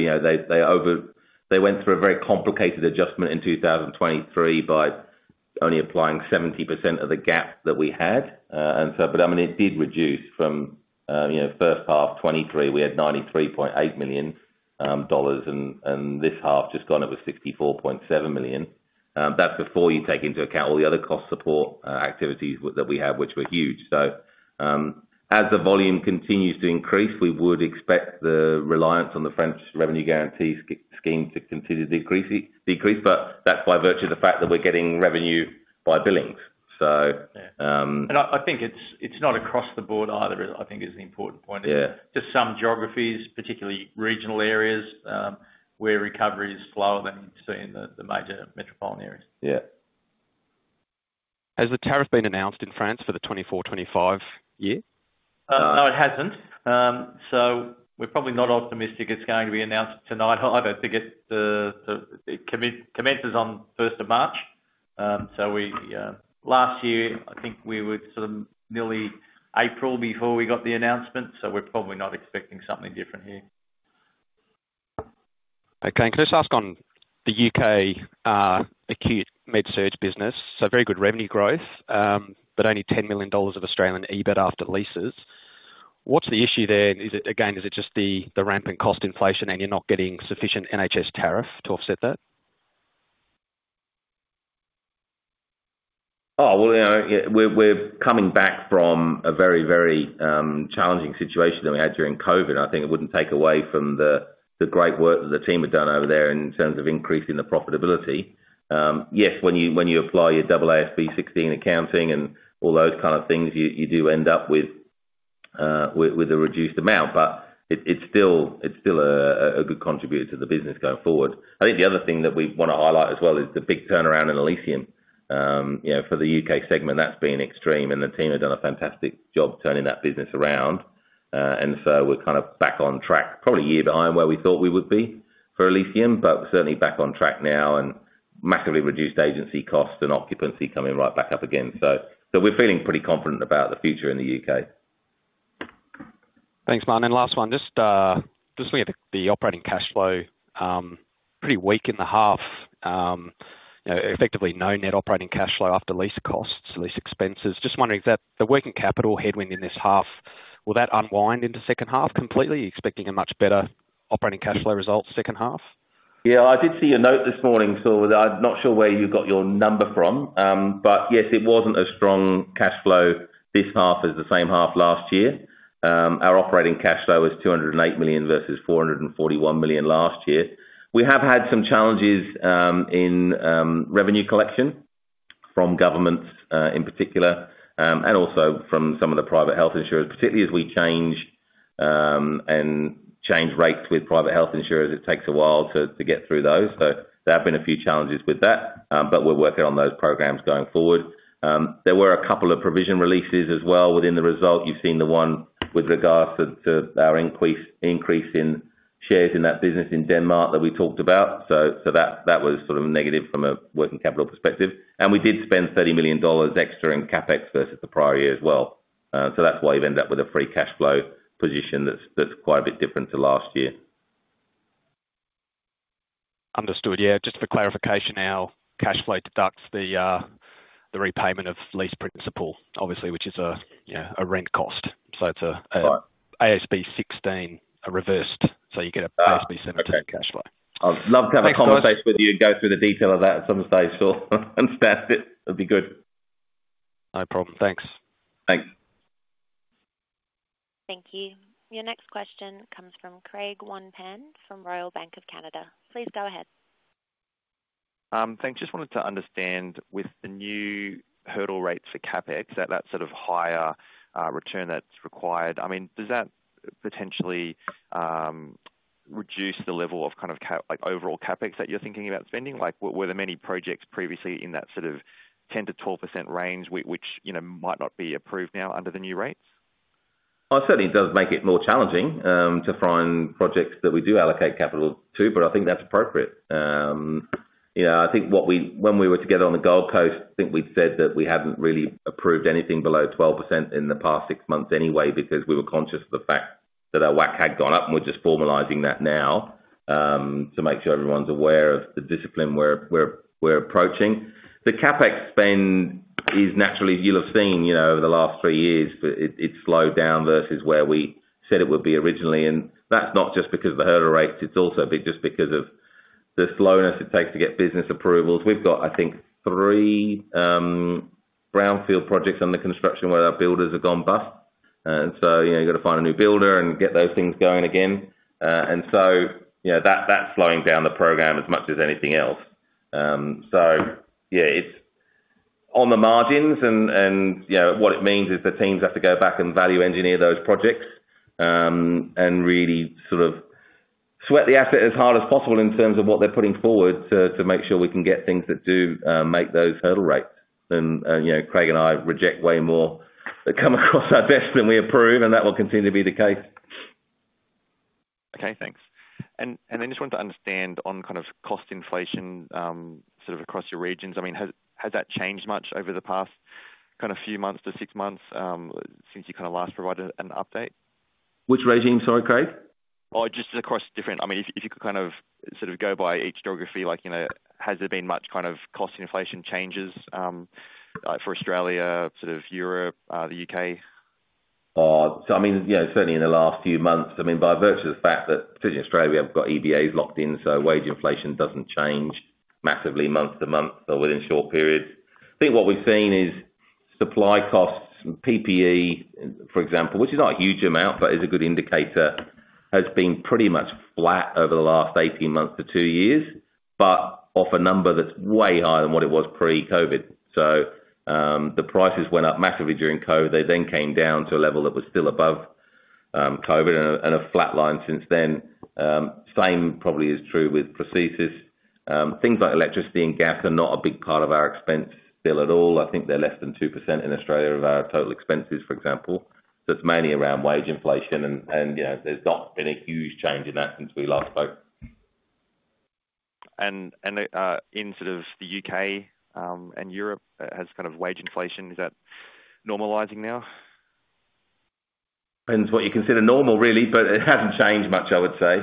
they went through a very complicated adjustment in 2023 by only applying 70% of the gap that we had. But I mean it did reduce from first half 2023 we had 93.8 million dollars and this half just gone up with 64.7 million. That's before you take into account all the other cost support activities that we have which were huge. As the volume continues to increase, we would expect the reliance on the French revenue guarantee scheme to continue to decrease, but that's by virtue of the fact that we're getting revenue by billings, so. And I think it's not across the board either, I think, is the important point. It's just some geographies, particularly regional areas, where recovery is slower than you'd see in the major metropolitan areas. Yeah. Has the tariff been announced in France for the 2024-25 year? No, it hasn't. So we're probably not optimistic it's going to be announced tonight either. I think it commences on first of March. So last year I think we were sort of nearly April before we got the announcement, so we're probably not expecting something different here. Okay. And can I just ask on the U.K. acute med-surg business? So very good revenue growth but only 10 million dollars of Australian EBIT after leases. What's the issue there and again is it just the rampant cost inflation and you're not getting sufficient NHS tariff to offset that? Oh well, we're coming back from a very, very challenging situation that we had during COVID. I think it wouldn't take away from the great work that the team had done over there in terms of increasing the profitability. Yes, when you apply AASB 16 accounting and all those kind of things, you do end up with a reduced amount, but it's still a good contribution to the business going forward. I think the other thing that we want to highlight as well is the big turnaround in Elysium. For the U.K. segment, that's been extreme, and the team had done a fantastic job turning that business around. And so we're kind of back on track, probably a year behind where we thought we would be for Elysium, but certainly back on track now and massively reduced agency costs and occupancy coming right back up again. We're feeling pretty confident about the future in the U.K. Thanks, Martyn. And last one, just looking at the operating cash flow, pretty weak in the half. Effectively no net operating cash flow after lease costs, lease expenses. Just wondering, is that the working capital headwind in this half? Will that unwind into second half completely, expecting a much better operating cash flow results second half? Yeah. I did see a note this morning, Saul, that I'm not sure where you got your number from, but yes, it wasn't a strong cash flow this half as the same half last year. Our operating cash flow was 208 million versus 441 million last year. We have had some challenges in revenue collection from governments in particular and also from some of the private health insurers, particularly as we change and change rates with private health insurers; it takes a while to get through those. So there have been a few challenges with that, but we're working on those programs going forward. There were a couple of provision releases as well within the result. You've seen the one with regards to our increase in shares in that business in Denmark that we talked about. So that was sort of negative from a working capital perspective. We did spend 30 million dollars extra in CapEx versus the prior year as well. That's why you've ended up with a free cash flow position that's quite a bit different to last year. Understood. Yeah. Just for clarification, our cash flow deducts the repayment of lease principal, obviously, which is a rent cost. So it's an AASB 16 reversed, so you get an AASB 17 cash flow. I'd love to have a conversation with you and go through the detail of that at some stage, Saul. Understand it. It'd be good. No problem. Thanks. Thanks. Thank you. Your next question comes from Craig Wong-Pan from Royal Bank of Canada. Please go ahead. Thanks. Just wanted to understand with the new hurdle rates for CapEx at that sort of higher return that's required I mean does that potentially reduce the level of kind of overall CapEx that you're thinking about spending? Were there many projects previously in that sort of 10%-12% range which might not be approved now under the new rates? Oh, it certainly does make it more challenging to find projects that we do allocate capital to, but I think that's appropriate. I think when we were together on the Gold Coast, I think we'd said that we hadn't really approved anything below 12% in the past six months anyway because we were conscious of the fact that our WACC had gone up and we're just formalizing that now to make sure everyone's aware of the discipline we're approaching. The CapEx spend is naturally—you'll have seen over the last three years—it's slowed down versus where we said it would be originally. That's not just because of the hurdle rates; it's also just because of the slowness it takes to get business approvals. We've got, I think, three brownfield projects under construction where our builders have gone bust. And so you've got to find a new builder and get those things going again. And so that's slowing down the program as much as anything else. So yeah, it's on the margins, and what it means is the teams have to go back and value engineer those projects and really sort of sweat the asset as hard as possible in terms of what they're putting forward to make sure we can get things that do make those hurdle rates. And Craig and I reject way more that come across our desk than we approve, and that will continue to be the case. Okay. Thanks. And then just wanted to understand on kind of cost inflation sort of across your regions. I mean has that changed much over the past kind of few months to six months since you kind of last provided an update? Which regime? Sorry Craig. Oh, just across different. I mean, if you could kind of sort of go by each geography, has there been much kind of cost inflation changes for Australia, sort of Europe, the U.K.? So I mean certainly in the last few months I mean by virtue of the fact that particularly in Australia we haven't got EBAs locked in so wage inflation doesn't change massively month to month or within short periods. I think what we've seen is supply costs PPE for example which is not a huge amount but is a good indicator has been pretty much flat over the last 18 months to 2 years but off a number that's way higher than what it was pre-COVID. So the prices went up massively during COVID. They then came down to a level that was still above COVID and a flat line since then. Same probably is true with prosthesis. Things like electricity and gas are not a big part of our expense still at all. I think they're less than 2% in Australia of our total expenses for example. It's mainly around wage inflation and there's not been a huge change in that since we last spoke. In sort of the U.K. and Europe, has kind of wage inflation is that normalizing now? Depends what you consider normal really, but it hasn't changed much I would say.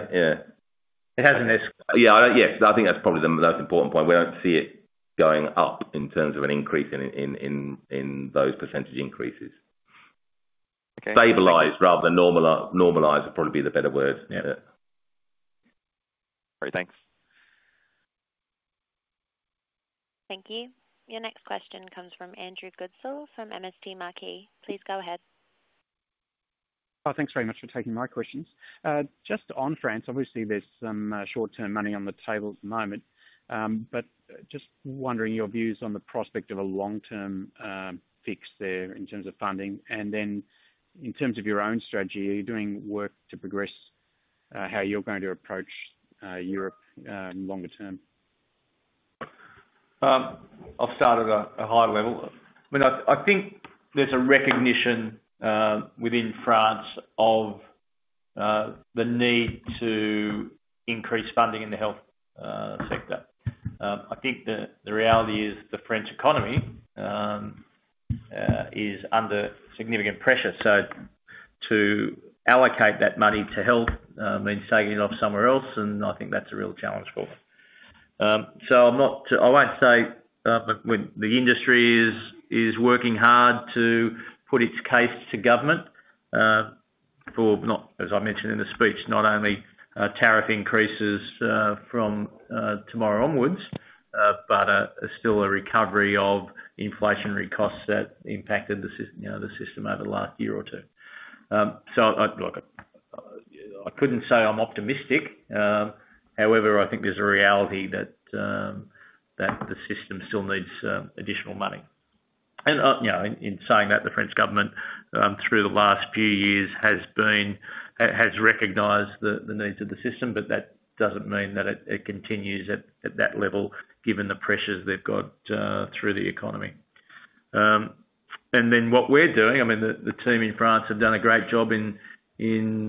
It hasn't escalated? Yeah. Yes. I think that's probably the most important point. We don't see it going up in terms of an increase in those percentage increases. Stabilized rather than normalized would probably be the better word. Great. Thanks. Thank you. Your next question comes from Andrew Goodsall from MST Marquee. Please go ahead. Oh, thanks very much for taking my questions. Just on France, obviously there's some short-term money on the table at the moment, but just wondering your views on the prospect of a long-term fix there in terms of funding, and then in terms of your own strategy, are you doing work to progress how you're going to approach Europe longer term? I'll start at a high level. I mean I think there's a recognition within France of the need to increase funding in the health sector. I think the reality is the French economy is under significant pressure so to allocate that money to health means taking it off somewhere else and I think that's a real challenge for them. So I won't say the industry is working hard to put its case to government for not as I mentioned in the speech not only tariff increases from tomorrow onwards but still a recovery of inflationary costs that impacted the system over the last year or two. So I couldn't say I'm optimistic. However I think there's a reality that the system still needs additional money. And in saying that the French government through the last few years has recognized the needs of the system but that doesn't mean that it continues at that level given the pressures they've got through the economy. And then what we're doing I mean the team in France have done a great job in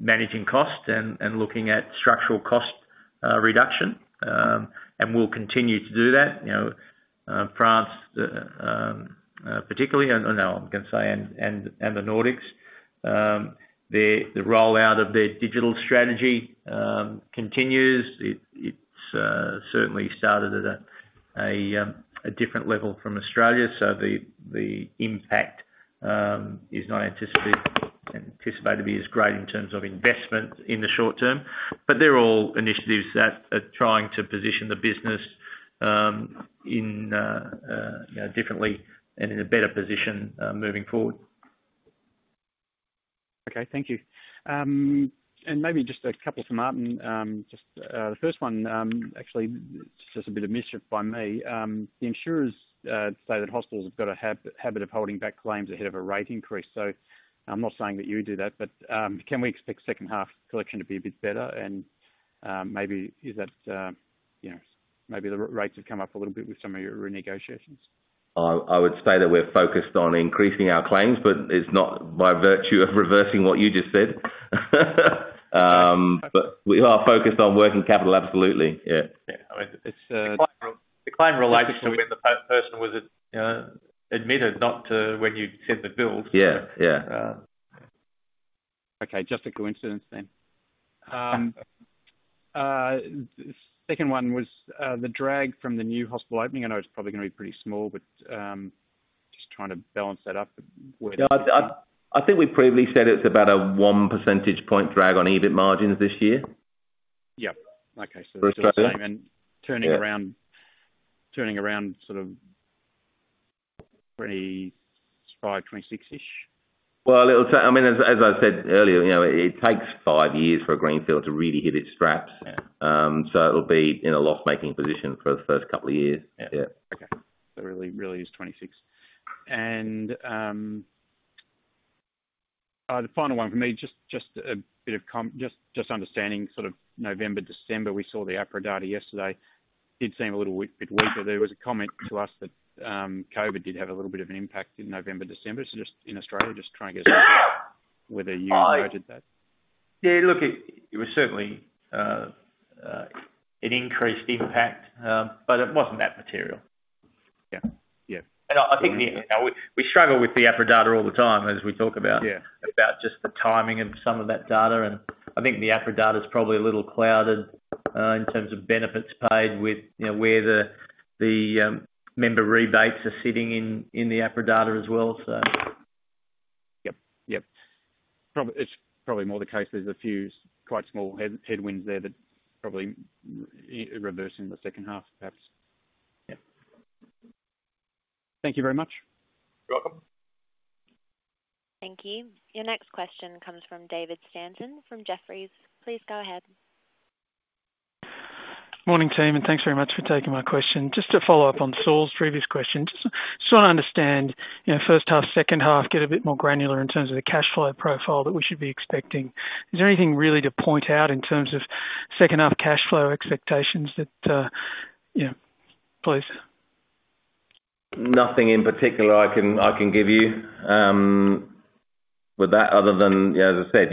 managing costs and looking at structural cost reduction and we'll continue to do that. France particularly and no I'm going to say and the Nordics the rollout of their digital strategy continues. It's certainly started at a different level from Australia so the impact is not anticipated to be as great in terms of investment in the short term but they're all initiatives that are trying to position the business in differently and in a better position moving forward. Okay. Thank you. And maybe just a couple for Martyn. Just the first one actually just a bit of mischief by me. The insurers say that hospitals have got a habit of holding back claims ahead of a rate increase so I'm not saying that you do that but can we expect second half collection to be a bit better and maybe is that maybe the rates have come up a little bit with some of your renegotiations? I would say that we're focused on increasing our claims, but it's not by virtue of reversing what you just said. We are focused on working capital absolutely. Yeah. It's a claim relationship when the person was admitted not when you'd sent the bills. Yeah. Yeah. Okay. Just a coincidence then. Second one was the drag from the new hospital opening. I know it's probably going to be pretty small, but just trying to balance that up. I think we previously said it's about a one percentage point drag on EBIT margins this year. Yeah. Okay. So it's the same and turning around sort of 25-26 ish? Well, it'll take—I mean, as I said earlier—it takes five years for a greenfield to really hit its straps, so it'll be in a loss-making position for the first couple of years. Yeah. Okay. So it really is 26. And the final one for me, just a bit of just understanding sort of November-December, we saw the APRA data yesterday. It did seem a little bit weaker. There was a comment to us that COVID did have a little bit of an impact in November-December just in Australia, just trying to get a sense of whether you noted that. Yeah. Look, it was certainly an increased impact, but it wasn't that material. Yeah. Yeah. I think we struggle with the APRA data all the time as we talk about just the timing of some of that data, and I think the APRA data is probably a little clouded in terms of benefits paid with where the member rebates are sitting in the APRA data as well, so. Yep. Yep. It's probably more the case there's a few quite small headwinds there that probably reverse in the second half perhaps. Thank you very much. You're welcome. Thank you. Your next question comes from David Stanton from Jefferies. Please go ahead. Morning, team, and thanks very much for taking my question. Just to follow up on Saul's previous question, just want to understand first half, second half, get a bit more granular in terms of the cash flow profile that we should be expecting. Is there anything really to point out in terms of second half cash flow expectations, that please? Nothing in particular I can give you with that other than as I said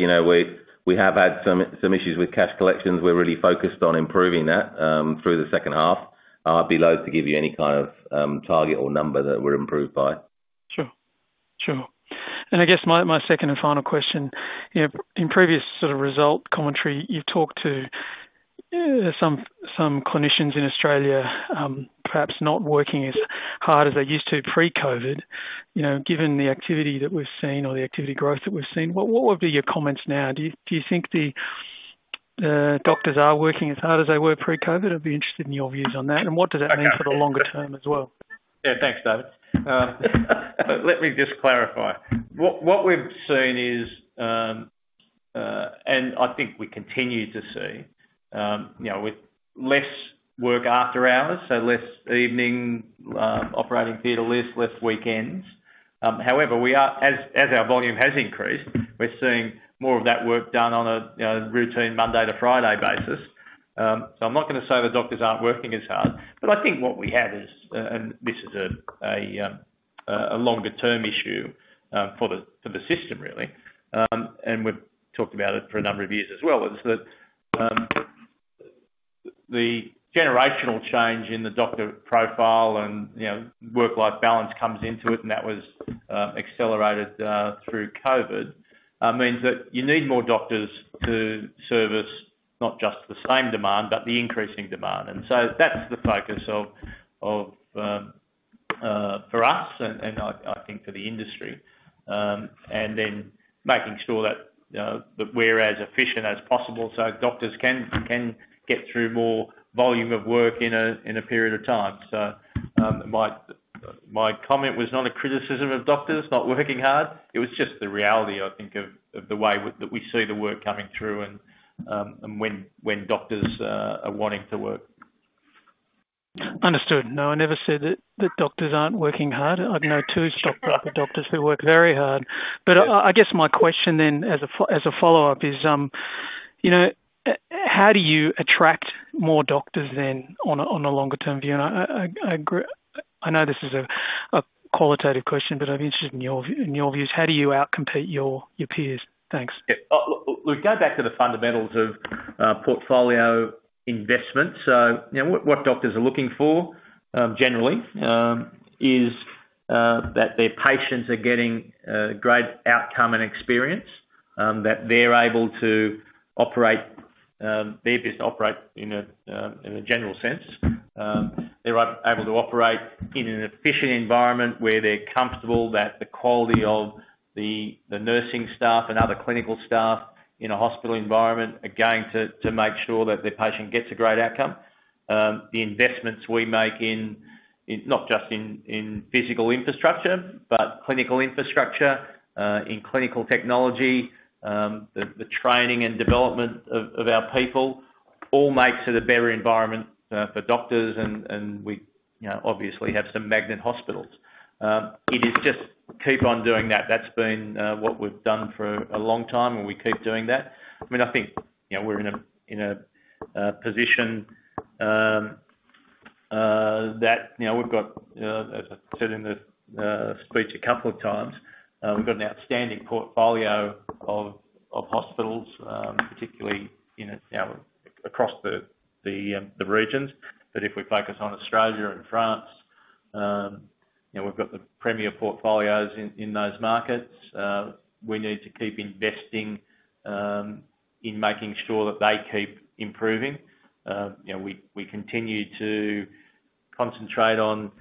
we have had some issues with cash collections. We're really focused on improving that through the second half. I'd be loath to give you any kind of target or number that we're improved by. Sure. Sure. And I guess my second and final question—in previous sort of result commentary you've talked to some clinicians in Australia perhaps not working as hard as they used to pre-COVID. Given the activity that we've seen or the activity growth that we've seen, what would be your comments now? Do you think the doctors are working as hard as they were pre-COVID? I'd be interested in your views on that and what does that mean for the longer term as well? Yeah. Thanks, David. Let me just clarify. What we've seen is, and I think we continue to see, with less work after hours, so less evening operating theater lists, less weekends. However, as our volume has increased, we're seeing more of that work done on a routine Monday to Friday basis. So, I'm not going to say the doctors aren't working as hard, but I think what we have is, and this is a longer term issue for the system really, and we've talked about it for a number of years as well, is that the generational change in the doctor profile and work-life balance comes into it, and that was accelerated through COVID, means that you need more doctors to service not just the same demand but the increasing demand. That's the focus for us and I think for the industry and then making sure that we're as efficient as possible so doctors can get through more volume of work in a period of time. My comment was not a criticism of doctors not working hard. It was just the reality I think of the way that we see the work coming through and when doctors are wanting to work. Understood. No, I never said that doctors aren't working hard. I've known two stockbroker doctors who work very hard. But I guess my question then as a follow up is how do you attract more doctors then on a longer term view? And I know this is a qualitative question but I'd be interested in your views. How do you outcompete your peers? Thanks. Look, go back to the fundamentals of portfolio investment. So what doctors are looking for generally is that their patients are getting great outcome and experience, that they're able to operate their business operate in a general sense, they're able to operate in an efficient environment where they're comfortable that the quality of the nursing staff and other clinical staff in a hospital environment are going to make sure that their patient gets a great outcome. The investments we make in not just in physical infrastructure but clinical infrastructure, in clinical technology, the training and development of our people all makes it a better environment for doctors and we obviously have some Magnet hospitals. It is just keep on doing that. That's been what we've done for a long time and we keep doing that. I mean, I think we're in a position that we've got, as I said in the speech a couple of times, we've got an outstanding portfolio of hospitals, particularly across the regions. But if we focus on Australia and France, we've got the premier portfolios in those markets. We need to keep investing in making sure that they keep improving. We continue to concentrate on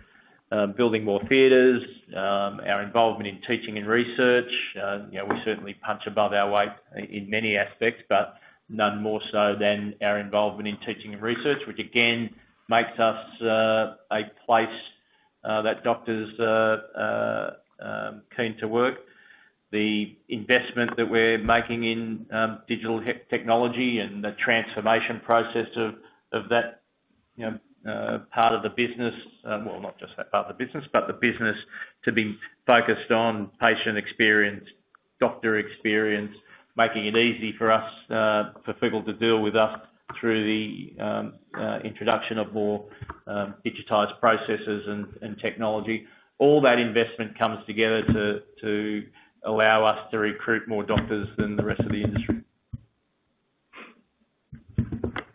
building more theaters, our involvement in teaching and research. We certainly punch above our weight in many aspects, but none more so than our involvement in teaching and research, which again makes us a place that doctors are keen to work. The investment that we're making in digital technology and the transformation process of that part of the business, well, not just that part of the business but the business to be focused on patient experience, doctor experience, making it easy for us for people to deal with us through the introduction of more digitized processes and technology. All that investment comes together to allow us to recruit more doctors than the rest of the industry.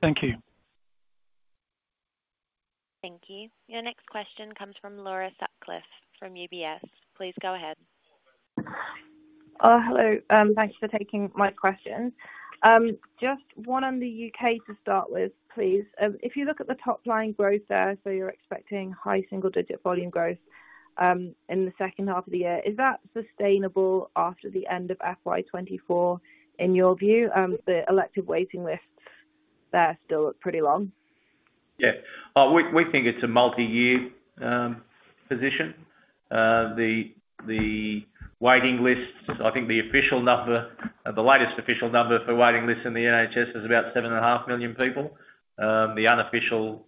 Thank you. Thank you. Your next question comes from Laura Sutcliffe from UBS. Please go ahead. Hello. Thanks for taking my question. Just one on the U.K. to start with please. If you look at the top line growth there so you're expecting high single digit volume growth in the second half of the year is that sustainable after the end of FY 2024 in your view? The elective waiting lists there still look pretty long. Yeah. We think it's a multi-year position. The waiting lists, I think the official number, the latest official number for waiting lists in the NHS, is about 7.5 million people. The unofficial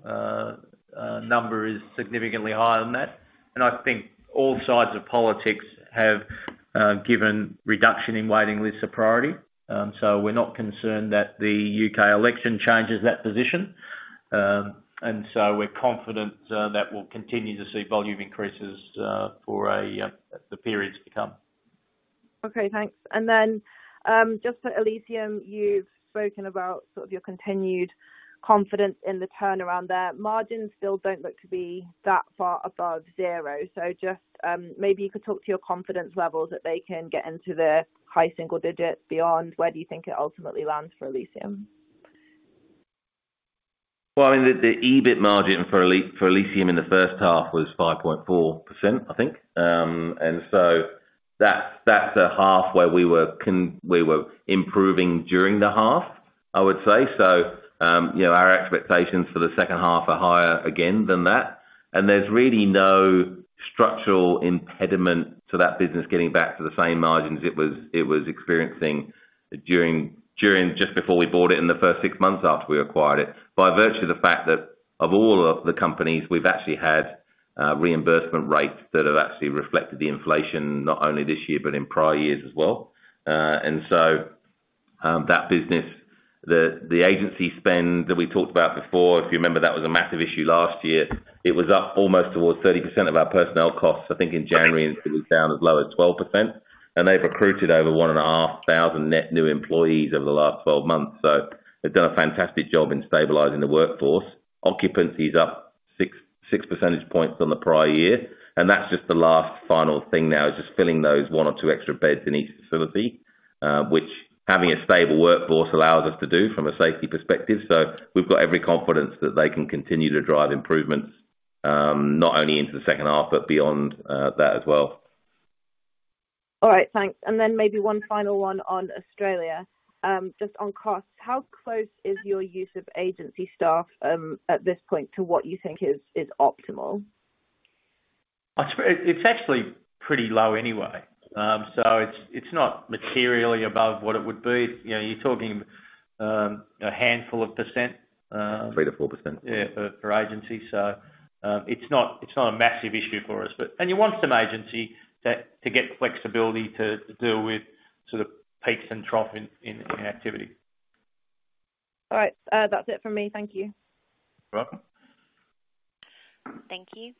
number is significantly higher than that. I think all sides of politics have given reduction in waiting lists a priority, so we're not concerned that the U.K. election changes that position. So we're confident that we'll continue to see volume increases for the periods to come. Okay. Thanks. And then just for Elysium you've spoken about sort of your continued confidence in the turnaround there. Margins still don't look to be that far above zero so just maybe you could talk to your confidence levels that they can get into the high single digit beyond where do you think it ultimately lands for Elysium? Well, I mean, the EBIT margin for Elysium in the first half was 5.4% I think, and so that's a half where we were improving during the half, I would say. So our expectations for the second half are higher again than that, and there's really no structural impediment to that business getting back to the same margins it was experiencing just before we bought it in the first six months after we acquired it by virtue of the fact that of all of the companies we've actually had reimbursement rates that have actually reflected the inflation not only this year but in prior years as well. So that business, the agency spend that we talked about before—if you remember—that was a massive issue last year. It was up almost towards 30% of our personnel costs, I think, in January, and it was down as low as 12%. And they've recruited over 1,500 net new employees over the last 12 months, so they've done a fantastic job in stabilizing the workforce. Occupancy is up six percentage points on the prior year, and that's just the last final thing now is just filling those one or two extra beds in each facility, which having a stable workforce allows us to do from a safety perspective. So we've got every confidence that they can continue to drive improvements not only into the second half but beyond that as well. All right. Thanks. Maybe one final one on Australia. Just on costs, how close is your use of agency staff at this point to what you think is optimal? It's actually pretty low anyway, so it's not materially above what it would be. You're talking a handful of percent. 3%-4%. Yeah, for agency, so it's not a massive issue for us, but and you want some agency to get flexibility to deal with sort of peaks and troughs in activity. All right. That's it from me. Thank you. You're welcome. Thank you.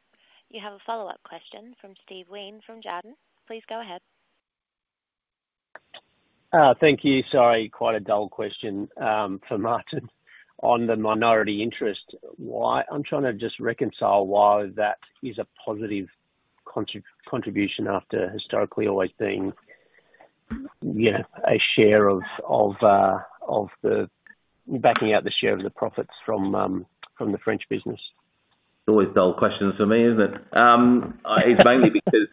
You have a follow up question from Steve Wheen from Jarden. Please go ahead. Thank you. Sorry, quite a dull question for Martyn. On the minority interest, why I'm trying to just reconcile why that is a positive contribution after historically always being a share of the backing out the share of the profits from the French business. Always dull questions for me, isn't it? It's mainly because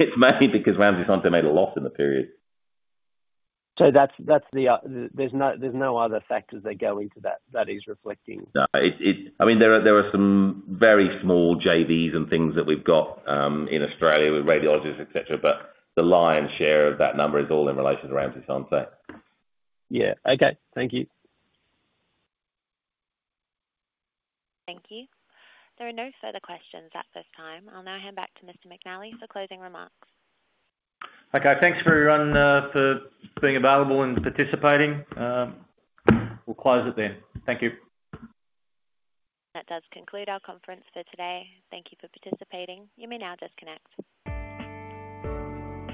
Ramsay Santé made a loss in the period. There's no other factors that go into that that is reflecting. No. I mean there are some very small JVs and things that we've got in Australia with radiologists etc but the lion's share of that number is all in relation to Ramsay Santé. Yeah. Okay. Thank you. Thank you. There are no further questions at this time. I'll now hand back to Mr. McNally for closing remarks. Okay. Thanks for everyone for being available and participating. We'll close it then. Thank you. That does conclude our conference for today. Thank you for participating. You may now disconnect.